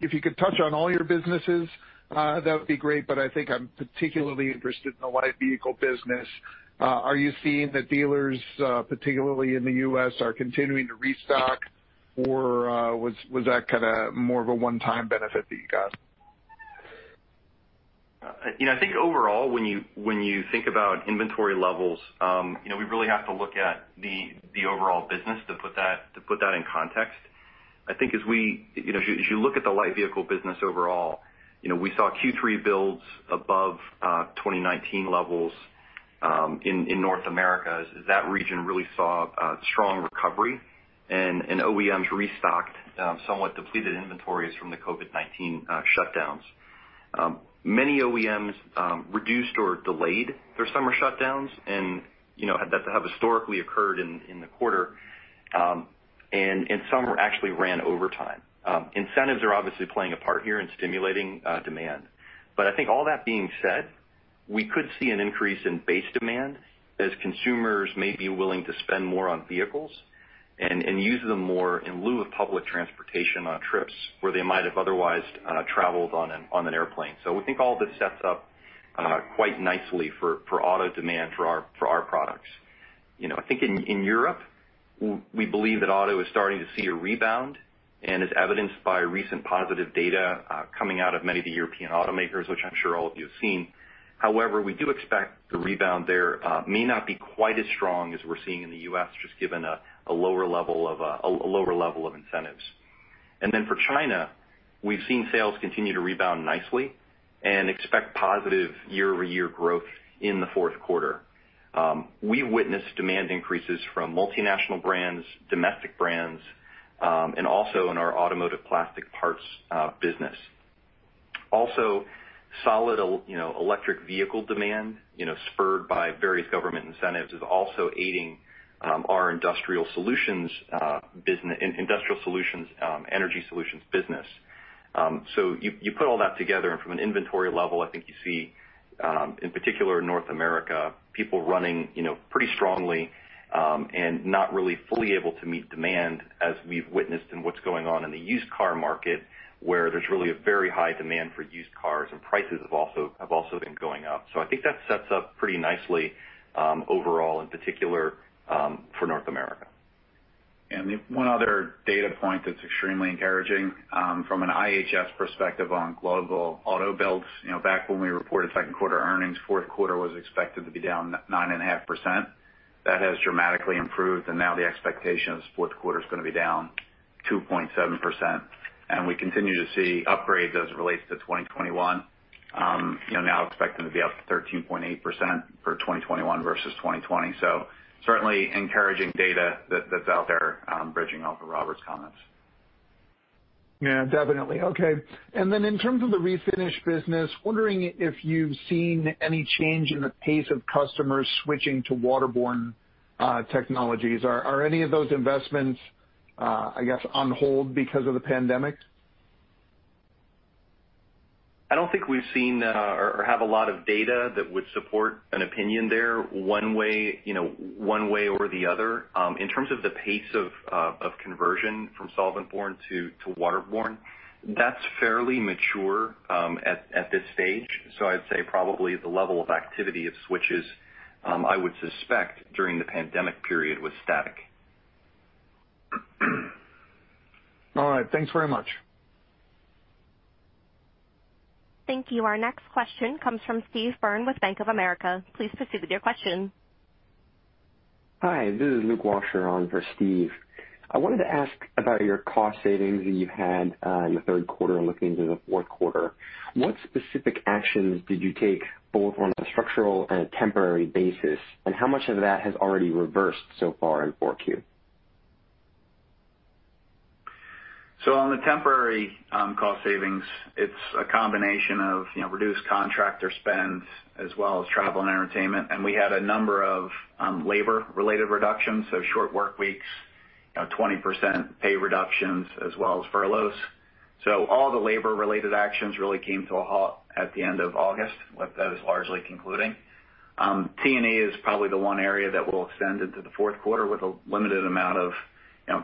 If you could touch on all your businesses, that would be great, but I think I'm particularly interested in the Light Vehicle business. Are you seeing that dealers, particularly in the U.S., are continuing to restock, or was that kind of more of a one-time benefit that you got? I think overall, when you think about inventory levels, we really have to look at the overall business to put that in context. I think as you look at the Light Vehicle business overall, we saw Q3 builds above 2019 levels in North America. That region really saw a strong recovery, and OEMs restocked somewhat depleted inventories from the COVID-19 shutdowns. Many OEMs reduced or delayed their summer shutdowns that have historically occurred in the quarter, and some were actually ran overtime. Incentives are obviously playing a part here in stimulating demand. I think all that being said, we could see an increase in base demand as consumers may be willing to spend more on vehicles and use them more in lieu of public transportation on trips where they might have otherwise traveled on an airplane. We think all this sets up quite nicely for auto demand for our products. In Europe, we believe that auto is starting to see a rebound, as evidenced by recent positive data coming out of many of the European automakers, which I'm sure all of you have seen. We do expect the rebound there may not be quite as strong as we're seeing in the U.S., just given a lower level of incentives. For China, we've seen sales continue to rebound nicely and expect positive year-over-year growth in the fourth quarter. We witnessed demand increases from multinational brands, domestic brands, and also in our automotive plastic parts business. Solid electric vehicle demand, spurred by various government incentives, is also aiding our Industrial Solutions Energy Solutions business. You put all that together, and from an inventory level, I think you see, in particular in North America, people running pretty strongly, and not really fully able to meet demand as we've witnessed in what's going on in the used car market, where there's really a very high demand for used cars and prices have also been going up. I think that sets up pretty nicely overall, in particular, for North America. The one other data point that's extremely encouraging, from an IHS perspective on global auto builds, back when we reported second quarter earnings, fourth quarter was expected to be down 9.5%. That has dramatically improved, now the expectation is fourth quarter's going to be down 2.7%. We continue to see upgrades as it relates to 2021. Now expecting to be up to 13.8% for 2021 versus 2020. Certainly encouraging data that's out there, bridging off of Robert's comments. Yeah, definitely. Okay. Then in terms of the Refinish business, wondering if you've seen any change in the pace of customers switching to waterborne technologies. Are any of those investments, I guess, on hold because of the pandemic? I don't think we've seen or have a lot of data that would support an opinion there one way or the other. In terms of the pace of conversion from solventborne to waterborne, that's fairly mature at this stage. I'd say probably the level of activity of switches, I would suspect during the pandemic period was static. All right. Thanks very much. Thank you. Our next question comes from Steve Byrne with Bank of America. Please proceed with your question. Hi, this is Luke Washer on for Steve. I wanted to ask about your cost savings that you've had in the third quarter and looking into the fourth quarter. What specific actions did you take, both on a structural and a temporary basis, and how much of that has already reversed so far in 4Q? On the temporary cost savings, it's a combination of reduced contractor spend as well as travel and entertainment. We had a number of labor-related reductions, short work weeks, 20% pay reductions, as well as furloughs. All the labor-related actions really came to a halt at the end of August. That is largely concluding. T&E is probably the one area that will extend into the fourth quarter with a limited amount of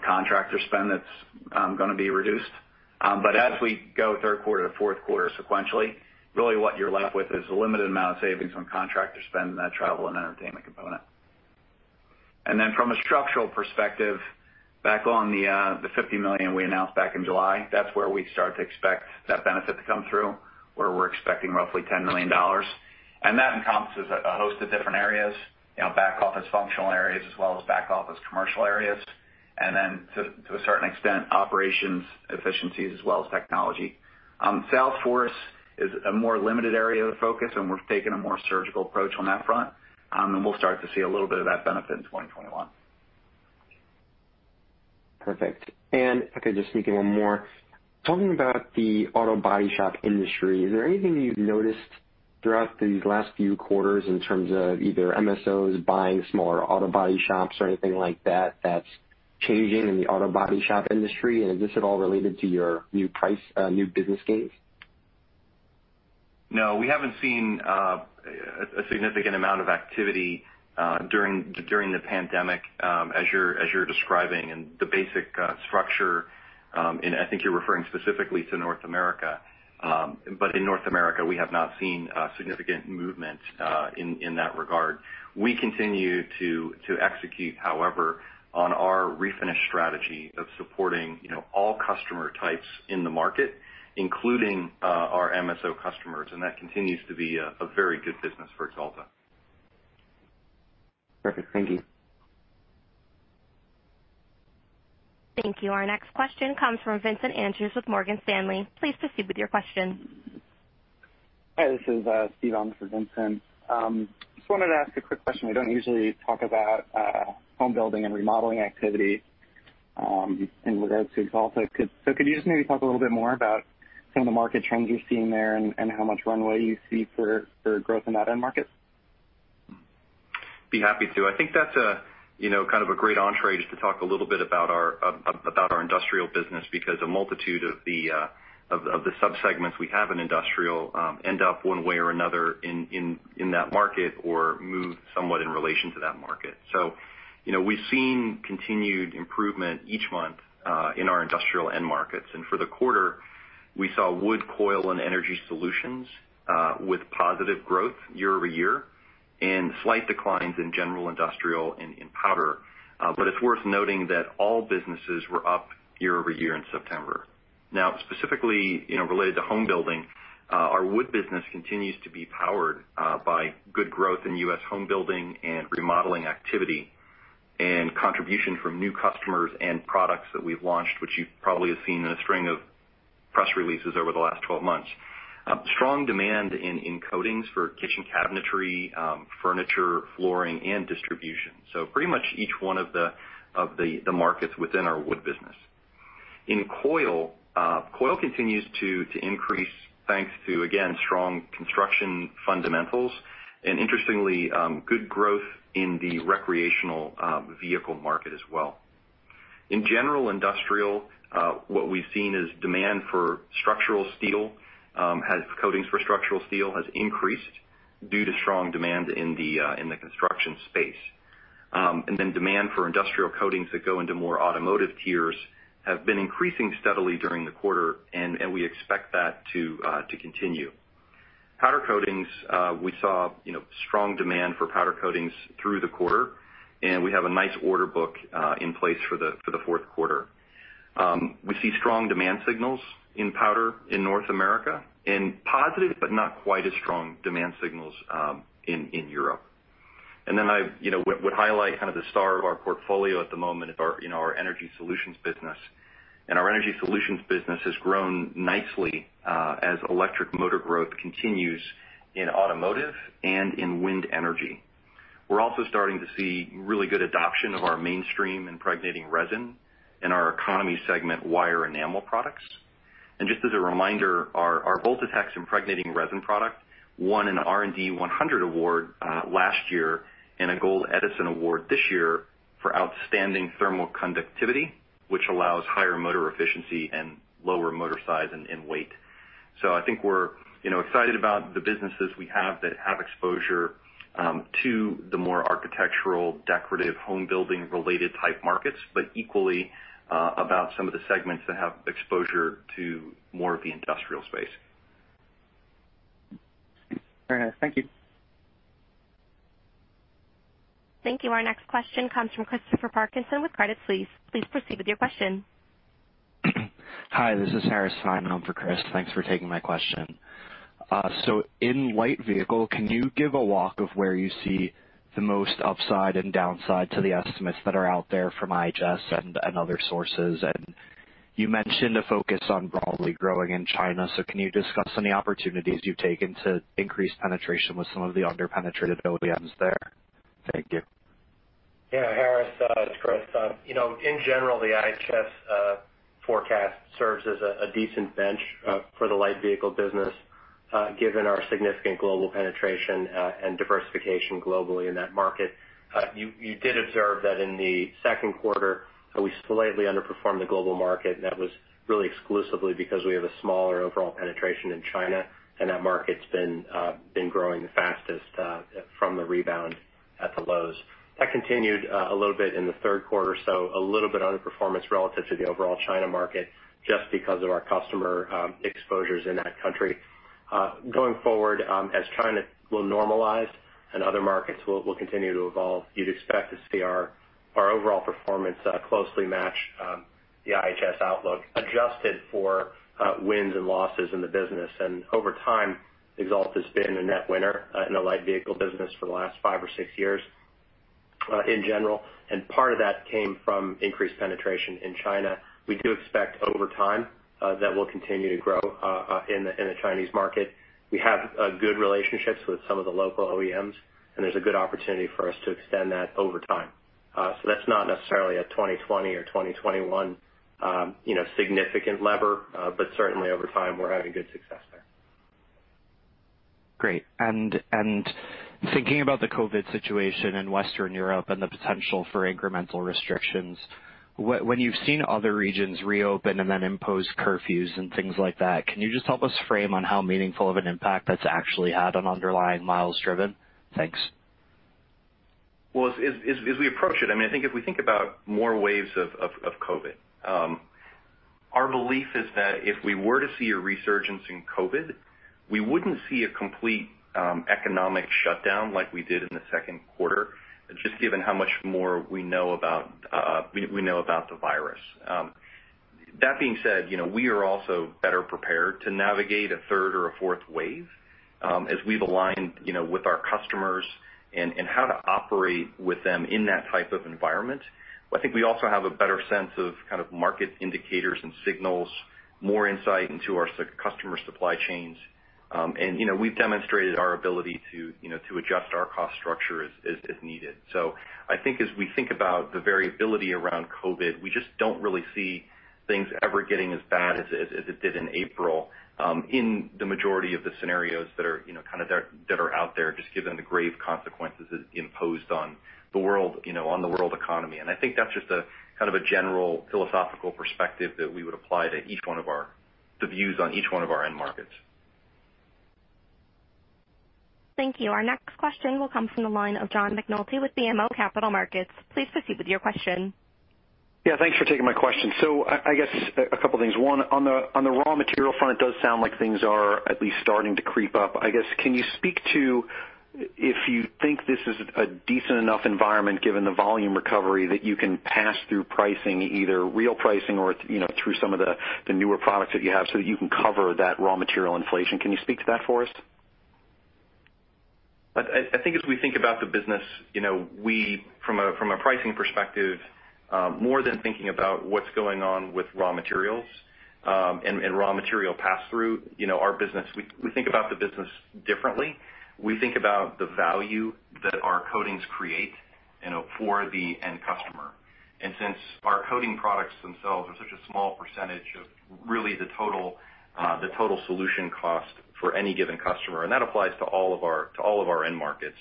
contractor spend that's going to be reduced. As we go third quarter to fourth quarter sequentially, really what you're left with is a limited amount of savings on contractor spend and that travel and entertainment component. From a structural perspective, back on the $50 million we announced back in July, that's where we start to expect that benefit to come through, where we're expecting roughly $10 million. That encompasses a host of different areas, back office functional areas as well as back office commercial areas. To a certain extent, operations efficiencies as well as technology. sales force is a more limited area of the focus, we're taking a more surgical approach on that front. We'll start to see a little bit of that benefit in 2021. Perfect. If I could just sneak in one more. Talking about the auto body shop industry, is there anything you've noticed throughout these last few quarters in terms of either MSOs buying smaller auto body shops or anything like that's changing in the auto body shop industry? Is this at all related to your new business gains? No, we haven't seen a significant amount of activity during the pandemic, as you're describing, and the basic structure, and I think you're referring specifically to North America. In North America, we have not seen significant movement in that regard. We continue to execute, however, on our Refinish strategy of supporting all customer types in the market, including our MSO customers, and that continues to be a very good business for Axalta. Perfect. Thank you. Thank you. Our next question comes from Vincent Andrews with Morgan Stanley. Please proceed with your question. Hi, this is Steve on for Vincent. Just wanted to ask a quick question. We don't usually talk about home building and remodeling activity in regards to Axalta. Could you just maybe talk a little bit more about some of the market trends you're seeing there and how much runway you see for growth in that end market? Be happy to. I think that's kind of a great entrée just to talk a little bit about our Industrial business, because a multitude of the sub-segments we have in Industrial end up one way or another in that market or move somewhat in relation to that market. We've seen continued improvement each month in our Industrial end markets. For the quarter, we saw wood coil and Energy Solutions with positive growth year-over-year and slight declines in General Industrial and in powder. It's worth noting that all businesses were up year-over-year in September. Specifically related to home building, our wood business continues to be powered by good growth in U.S. home building and remodeling activity and contribution from new customers and products that we've launched, which you probably have seen in a string of press releases over the last 12 months. Strong demand in coatings for kitchen cabinetry, furniture, flooring, and distribution. Pretty much each one of the markets within our wood business. In coil continues to increase thanks to, again, strong construction fundamentals, and interestingly, good growth in the recreational vehicle market as well. In General Industrial, what we've seen is demand for structural steel, coatings for structural steel, has increased due to strong demand in the construction space. Demand for industrial coatings that go into more automotive tiers have been increasing steadily during the quarter, and we expect that to continue. Powder coatings, we saw strong demand for powder coatings through the quarter, and we have a nice order book in place for the fourth quarter. We see strong demand signals in powder in North America, and positive, but not quite as strong demand signals in Europe. I would highlight kind of the star of our portfolio at the moment is our Energy Solutions business. Our Energy Solutions business has grown nicely as electric motor growth continues in automotive and in wind energy. We're also starting to see really good adoption of our mainstream impregnating resin and our economy segment wire enamel products. Just as a reminder, our Voltatex impregnating resin product won an R&D 100 award last year and a Gold Edison Award this year for outstanding thermal conductivity, which allows higher motor efficiency and lower motor size and weight. I think we're excited about the businesses we have that have exposure to the more architectural, decorative, home building related type markets, but equally about some of the segments that have exposure to more of the Industrial space. Very nice. Thank you. Thank you. Our next question comes from Christopher Parkinson with Credit Suisse. Please proceed with your question. Hi, this is Harris Simon in for Chris. Thanks for taking my question. In Light Vehicle, can you give a walk of where you see the most upside and downside to the estimates that are out there from IHS and other sources? You mentioned a focus on broadly growing in China, can you discuss any opportunities you've taken to increase penetration with some of the under-penetrated OEMs there? Thank you. Yeah, Harris, it's Chris. In general, the IHS forecast serves as a decent bench for the Light Vehicle business, given our significant global penetration and diversification globally in that market. You did observe that in the second quarter, we slightly underperformed the global market. That was really exclusively because we have a smaller overall penetration in China. That market's been growing the fastest from the rebound at the lows. That continued a little bit in the third quarter, a little bit underperformance relative to the overall China market, just because of our customer exposures in that country. Going forward, as China will normalize and other markets will continue to evolve, you'd expect to see our overall performance closely match the IHS outlook, adjusted for wins and losses in the business. Over time, Axalta's been a net winner in the Light Vehicle business for the last five or six years in general, and part of that came from increased penetration in China. We do expect over time that we'll continue to grow in the Chinese market. We have good relationships with some of the local OEMs, and there's a good opportunity for us to extend that over time. That's not necessarily a 2020 or 2021 significant lever. Certainly over time, we're having good success there. Great. Thinking about the COVID situation in Western Europe and the potential for incremental restrictions, when you've seen other regions reopen and then impose curfews and things like that, can you just help us frame on how meaningful of an impact that's actually had on underlying miles driven? Thanks. Well, as we approach it, I think if we think about more waves of COVID, our belief is that if we were to see a resurgence in COVID, we wouldn't see a complete economic shutdown like we did in the second quarter, just given how much more we know about the virus. That being said, we are also better prepared to navigate a third or a fourth wave, as we've aligned with our customers and how to operate with them in that type of environment. I think we also have a better sense of kind of market indicators and signals, more insight into our customer supply chains. We've demonstrated our ability to adjust our cost structure as needed. I think as we think about the variability around COVID-19, we just don't really see things ever getting as bad as it did in April in the majority of the scenarios that are out there, just given the grave consequences it imposed on the world economy. I think that's just a kind of a general philosophical perspective that we would apply to the views on each one of our end markets. Thank you. Our next question will come from the line of John McNulty with BMO Capital Markets. Please proceed with your question. Yeah, thanks for taking my question. I guess a couple things. One, on the raw material front, it does sound like things are at least starting to creep up. I guess, can you speak to if you think this is a decent enough environment, given the volume recovery, that you can pass through pricing, either real pricing or through some of the newer products that you have, so that you can cover that raw material inflation? Can you speak to that for us? I think as we think about the business, from a pricing perspective, more than thinking about what's going on with raw materials and raw material pass-through. We think about the business differently. We think about the value that our coatings create for the end customer. Since our coating products themselves are such a small percentage of really the total solution cost for any given customer. That applies to all of our end markets.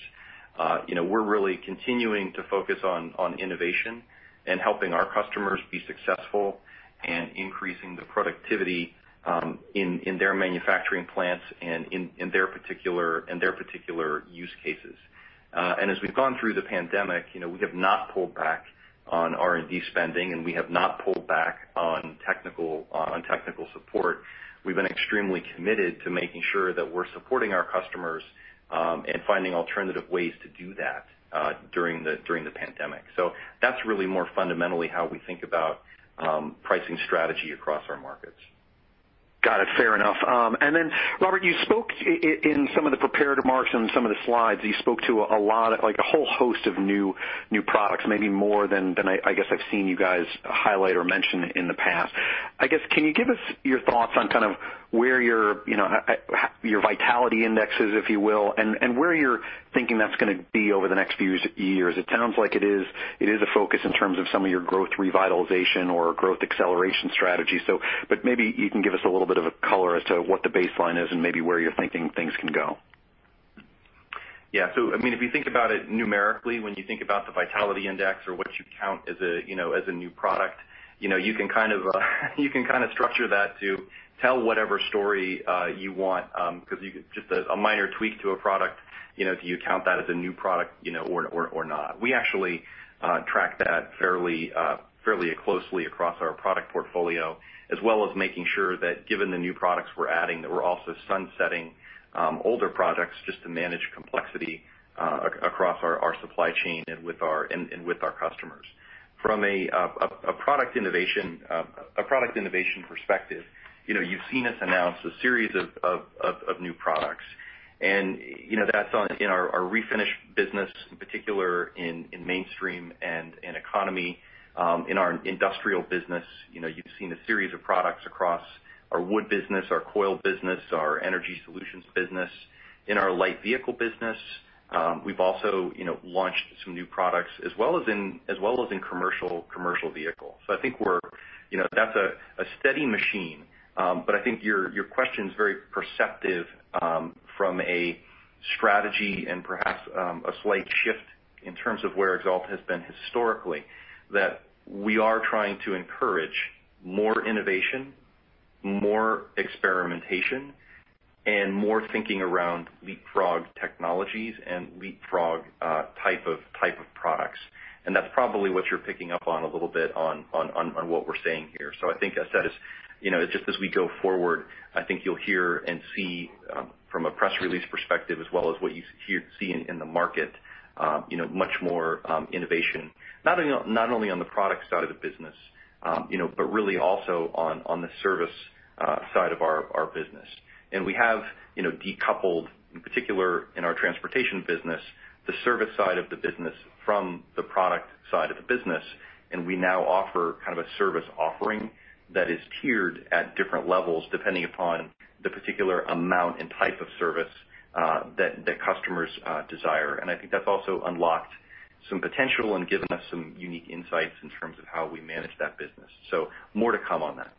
We're really continuing to focus on innovation and helping our customers be successful and increasing the productivity in their manufacturing plants and in their particular use cases. As we've gone through the pandemic, we have not pulled back on R&D spending, and we have not pulled back on technical support. We've been extremely committed to making sure that we're supporting our customers and finding alternative ways to do that during the pandemic. That's really more fundamentally how we think about pricing strategy across our markets. Got it. Fair enough. Robert, in some of the prepared remarks and some of the slides, you spoke to a whole host of new products, maybe more than I guess I've seen you guys highlight or mention in the past. Can you give us your thoughts on kind of where your vitality index is, if you will, and where you're thinking that's going to be over the next few years? It sounds like it is a focus in terms of some of your growth revitalization or growth acceleration strategy. You can give us a little bit of a color as to what the baseline is and maybe where you're thinking things can go. If you think about it numerically, when you think about the vitality index or what you count as a new product, you can kind of structure that to tell whatever story you want, because just a minor tweak to a product, do you count that as a new product or not? We actually track that fairly closely across our product portfolio, as well as making sure that given the new products we're adding, that we're also sunsetting older products just to manage complexity across our supply chain and with our customers. From a product innovation perspective, you've seen us announce a series of new products. That's in our Refinish business, in particular in mainstream and in economy. In our Industrial business, you've seen a series of products across our wood business, our coil business, our Energy Solutions business. In our Light Vehicle business, we've also launched some new products, as well as in Commercial Vehicles. I think that's a steady machine. I think your question's very perceptive from a strategy and perhaps a slight shift in terms of where Axalta has been historically, that we are trying to encourage more innovation, more experimentation, and more thinking around leapfrog technologies and leapfrog type of products. That's probably what you're picking up on a little bit on what we're saying here. I think as that is, just as we go forward, I think you'll hear and see from a press release perspective as well as what you see in the market much more innovation, not only on the product side of the business, but really also on the service side of our business. We have decoupled, in particular in our Transportation Coatings business, the service side of the business from the product side of the business. We now offer kind of a service offering that is tiered at different levels depending upon the particular amount and type of service that customers desire. I think that's also unlocked some potential and given us some unique insights in terms of how we manage that business. More to come on that.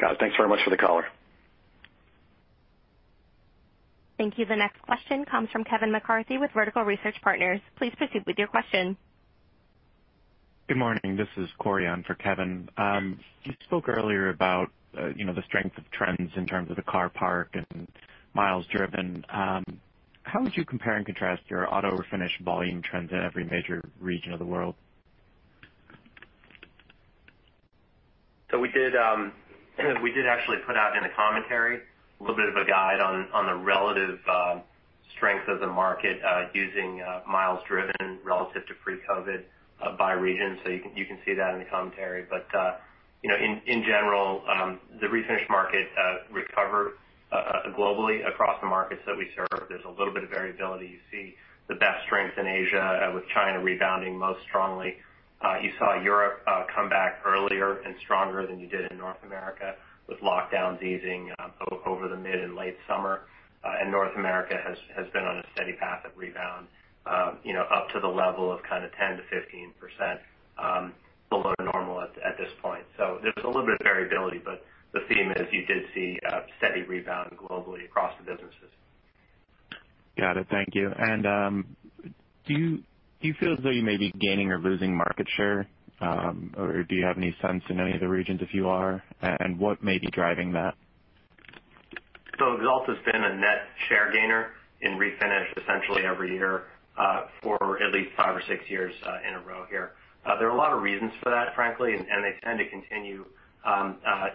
Got it. Thanks very much for the color. Thank you. The next quest ion comes from Kevin McCarthy with Vertical Research Partners. Please proceed with your question. Good morning. This is Cory on for Kevin. You spoke earlier about the strength of trends in terms of the car park and miles driven. How would you compare and contrast your Refinish volume trends in every major region of the world? We did actually put out in the commentary a little bit of a guide on the relative strength of the market using miles driven relative to pre-COVID by region. You can see that in the commentary. In general, the Refinish market recovered globally across the markets that we serve. There's a little bit of variability. You see the best strength in Asia, with China rebounding most strongly. You saw Europe come back earlier and stronger than you did in North America, with lockdowns easing over the mid and late summer. North America has been on a steady path of rebound up to the level of kind of 10%-15% below normal at this point. There's a little bit of variability, but the theme is you did see a steady rebound globally across the businesses. Got it. Thank you. Do you feel as though you may be gaining or losing market share? Do you have any sense in any of the regions if you are, and what may be driving that? Axalta's been a net share gainer in Refinish essentially every year for at least five or six years in a row here. There are a lot of reasons for that, frankly, and they tend to continue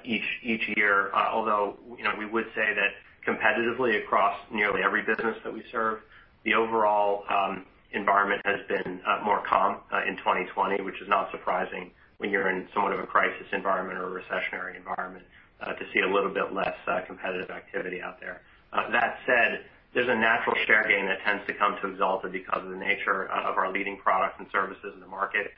each year. Although, we would say that competitively across nearly every business that we serve, the overall environment has been more calm in 2020, which is not surprising when you're in somewhat of a crisis environment or a recessionary environment to see a little bit less competitive activity out there. That said, there's a natural share gain that tends to come to Axalta because of the nature of our leading products and services in the market.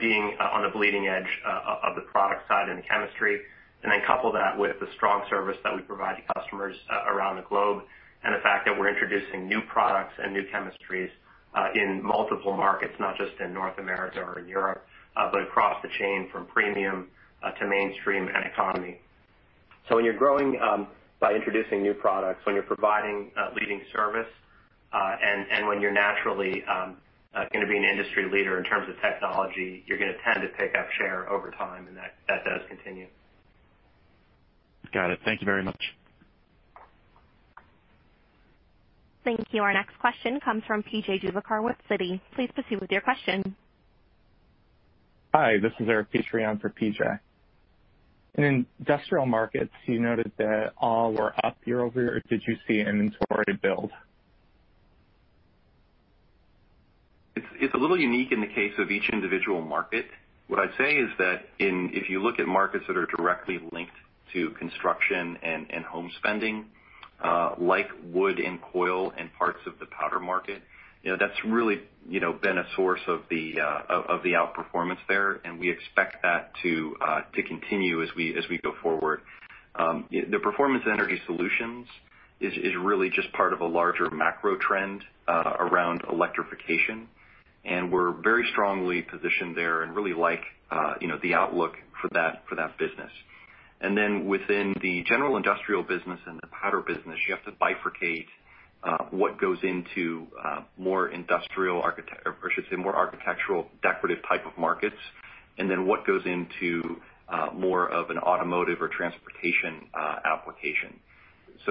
Being on the bleeding edge of the product side and the chemistry, and then couple that with the strong service that we provide to customers around the globe, and the fact that we're introducing new products and new chemistries in multiple markets, not just in North America or in Europe, but across the chain from premium to mainstream and economy. When you're growing by introducing new products, when you're providing leading service, and when you're naturally going to be an industry leader in terms of technology, you're going to tend to pick up share over time, and that does continue. Got it. Thank you very much. Thank you. Our next question comes from PJ Juvekar with Citi. Please proceed with your question. Hi, this is Eric Petrie for PJ. In Industrial markets, you noted that all were up year-over-year. Did you see inventory build? It's a little unique in the case of each individual market. What I'd say is that if you look at markets that are directly linked to construction and home spending, like wood and coil and parts of the Powder market, that's really been a source of the outperformance there, and we expect that to continue as we go forward. The performance Energy Solutions is really just part of a larger macro trend around electrification, and we're very strongly positioned there and really like the outlook for that business. Within the General Industrial business and the Powder business, you have to bifurcate what goes into more architectural decorative type of markets, and then what goes into more of an automotive or transportation application.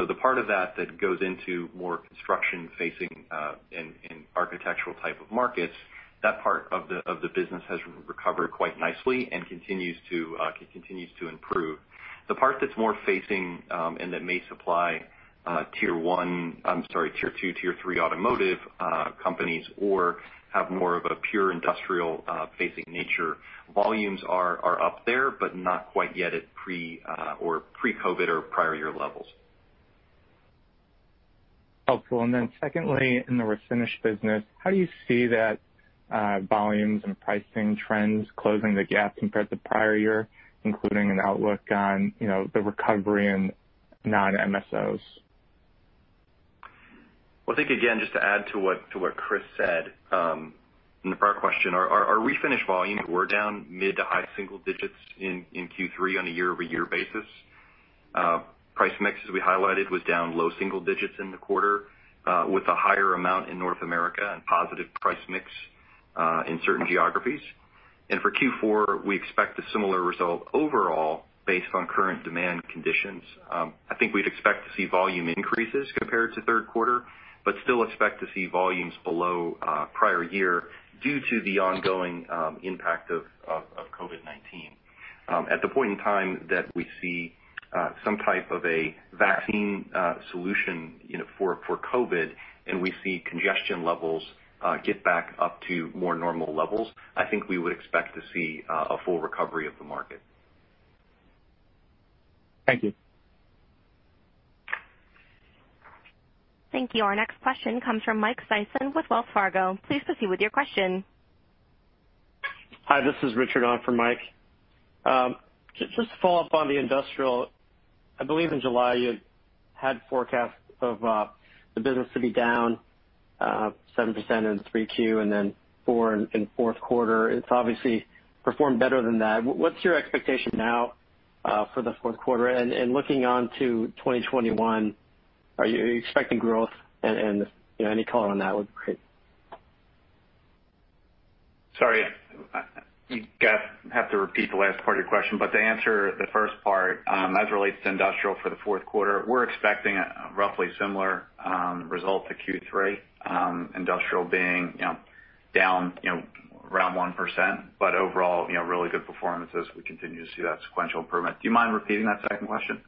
The part of that that goes into more construction facing in architectural type of markets, that part of the business has recovered quite nicely and continues to improve. The part that's more facing, and that may supply tier 2, tier 3 automotive companies or have more of a pure Industrial facing nature, volumes are up there, but not quite yet at pre-COVID or prior year levels. Helpful. Secondly, in the Refinish business, how do you see that volumes and pricing trends closing the gap compared to prior year, including an outlook on the recovery in non-MSOs? Well, I think, again, just to add to what Chris said in the prior question, our Refinish volumes were down mid to high single digits in Q3 on a year-over-year basis. Price mix, as we highlighted, was down low single digits in the quarter, with a higher amount in North America and positive price mix in certain geographies. For Q4, we expect a similar result overall based on current demand conditions. I think we'd expect to see volume increases compared to third quarter, but still expect to see volumes below prior year due to the ongoing impact of COVID-19. At the point in time that we see some type of a vaccine solution for COVID, and we see congestion levels get back up to more normal levels, I think we would expect to see a full recovery of the market. Thank you. Thank you. Our next question comes from Mike Sison with Wells Fargo. Please proceed with your question. Hi, this is Richard on for Mike. Just to follow up on the Industrial. I believe in July you had forecasts of the business to be down 7% in Q3 and then 4% in fourth quarter. It's obviously performed better than that. What's your expectation now for the fourth quarter? Looking onto 2021, are you expecting growth? Any color on that would be great. Sorry, you have to repeat the last part of your question. To answer the first part, as it relates to Industrial for the fourth quarter, we're expecting a roughly similar result to Q3, Industrial being down around 1%. Overall, really good performances. We continue to see that sequential improvement. Do you mind repeating that second question? Okay.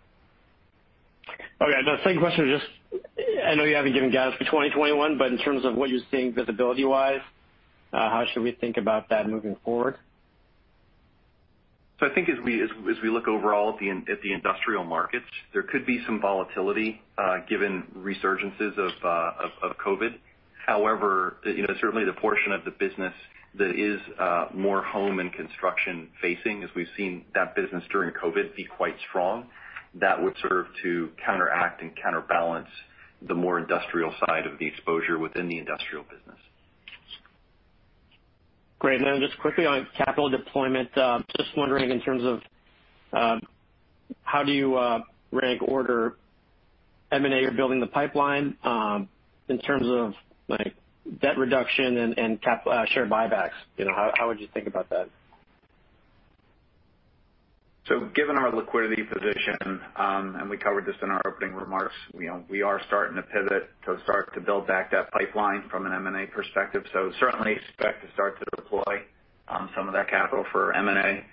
The second question was just, I know you haven't given guidance for 2021, but in terms of what you're seeing visibility-wise, how should we think about that moving forward? I think as we look overall at the industrial markets, there could be some volatility given resurgences of COVID. However, certainly the portion of the business that is more home and construction facing, as we've seen that business during COVID be quite strong, that would serve to counteract and counterbalance the more industrial side of the exposure within the industrial business. Great. Just quickly on capital deployment, just wondering in terms of how do you rank order M&A or building the pipeline in terms of debt reduction and share buybacks? How would you think about that? Given our liquidity position, and we covered this in our opening remarks, we are starting to pivot to start to build back that pipeline from an M&A perspective. Certainly expect to start to deploy some of that capital for M&A.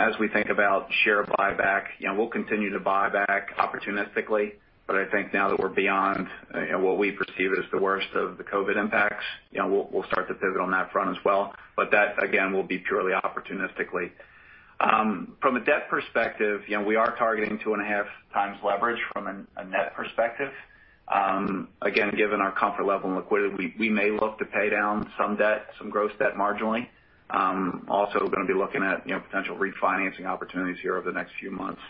As we think about share buyback, we'll continue to buy back opportunistically, but I think now that we're beyond what we perceive as the worst of the COVID impacts, we'll start to pivot on that front as well. That, again, will be purely opportunistically. From a debt perspective, we are targeting two and a half times leverage from a net perspective. Again, given our comfort level in liquidity, we may look to pay down some debt, some gross debt marginally. Also going to be looking at potential refinancing opportunities here over the next few months.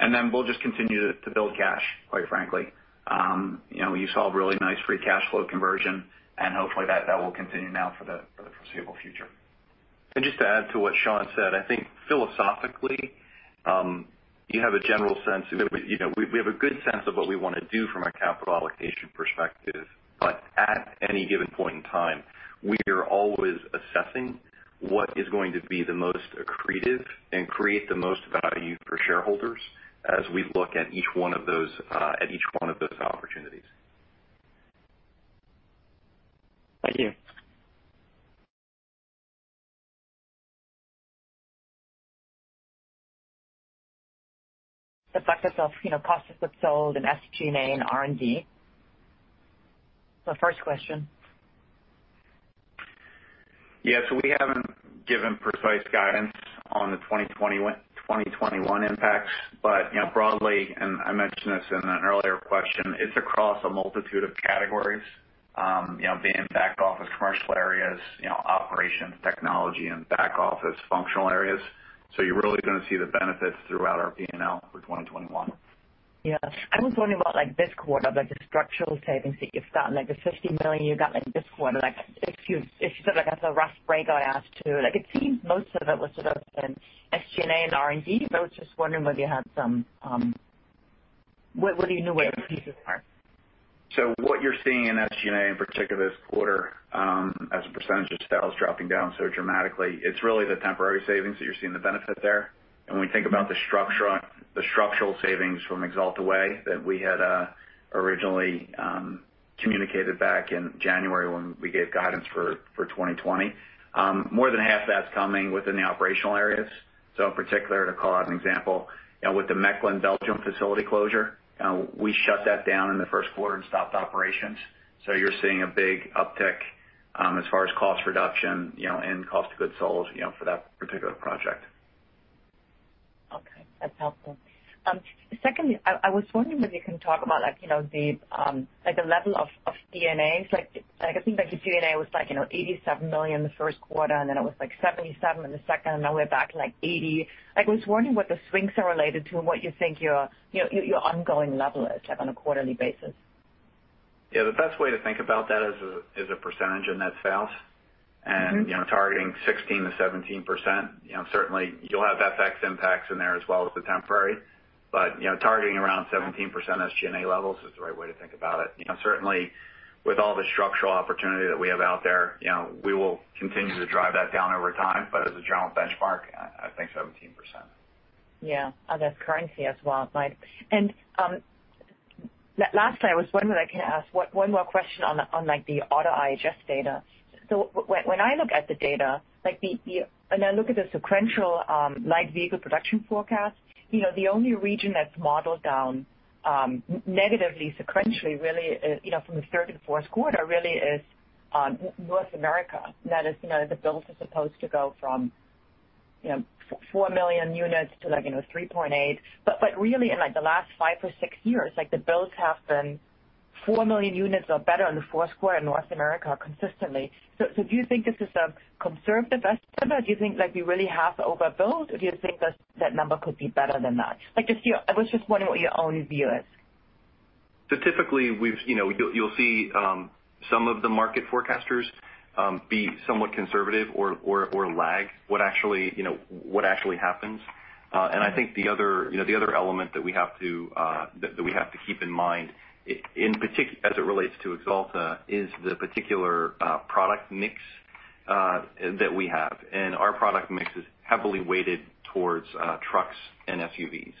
We'll just continue to build cash, quite frankly. You saw really nice free cash flow conversion, and hopefully that will continue now for the foreseeable future. Just to add to what Sean said, I think philosophically, we have a good sense of what we want to do from a capital allocation perspective. At any given point in time, we are always assessing what is going to be the most accretive and create the most value for shareholders as we look at each one of those opportunities. Thank you. The effect of cost of goods sold and SG&A and R&D. First question. We haven't given precise guidance on the 2021 impacts, but broadly, and I mentioned this in an earlier question, it's across a multitude of categories, be it back office commercial areas, operations technology and back office functional areas. You're really going to see the benefits throughout our P&L for 2021. Yeah. I was wondering about this quarter, like the structural savings that you've gotten, like the $50 million you got this quarter. As a rough break I ask too, it seems most of it was sort of in SG&A and R&D, but I was just wondering what do you know where the pieces are? What you're seeing in SG&A in particular this quarter, as a percentage of sales dropping down so dramatically, it's really the temporary savings that you're seeing the benefit there. When we think about the structural savings from Axalta Way that we had originally communicated back in January when we gave guidance for 2020, more than half that's coming within the operational areas. In particular, to call out an example, with the Mechelen Belgium facility closure, we shut that down in the first quarter and stopped operations. You're seeing a big uptick as far as cost reduction and cost of goods sold for that particular project. Okay. That's helpful. Secondly, I was wondering whether you can talk about the level of D&A. I think the D&A was $87 million the first quarter, and then it was $77 in the second, and now we're back to $80. I was wondering what the swings are related to and what you think your ongoing level is on a quarterly basis. The best way to think about that is a percentage in net sales and targeting 16%-17%. You'll have FX impacts in there as well as the temporary, targeting around 17% SG&A levels is the right way to think about it. With all the structural opportunity that we have out there, we will continue to drive that down over time. As a general benchmark, I think 17%. Yeah. That's currency as well. Last thing I was wondering whether I can ask one more question on the auto IHS data. When I look at the data and I look at the sequential Light Vehicle production forecast, the only region that's modeled down negatively sequentially really from the third to fourth quarter really is North America. That is, the builds are supposed to go from 4 million units to 3.8 million units, but really in the last five or six years, the builds have been 4 million units or better on the fourth quarter in North America consistently. Do you think this is a conservative estimate? Do you think we really have overbuilt or do you think that number could be better than that? I was just wondering what your own view is. Statistically, you'll see some of the market forecasters be somewhat conservative or lag what actually happens. I think the other element that we have to keep in mind as it relates to Axalta is the particular product mix that we have. Our product mix is heavily weighted towards trucks and SUVs.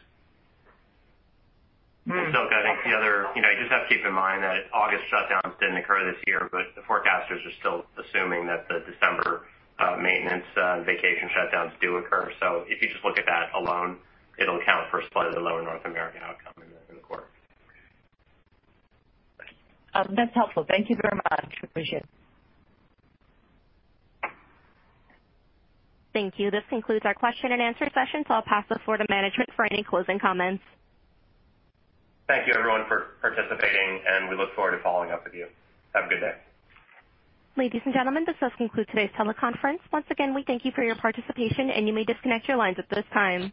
Silke, you just have to keep in mind that August shutdowns didn't occur this year. The forecasters are still assuming that the December maintenance vacation shutdowns do occur. If you just look at that alone, it'll account for slightly lower North American outcome in the quarter. That's helpful. Thank you very much. Appreciate it. Thank you. This concludes our question-and-answer session. I'll pass the floor to management for any closing comments. Thank you everyone for participating, and we look forward to following up with you. Have a good day. Ladies and gentlemen, this does conclude today's teleconference. Once again, we thank you for your participation and you may disconnect your lines at this time.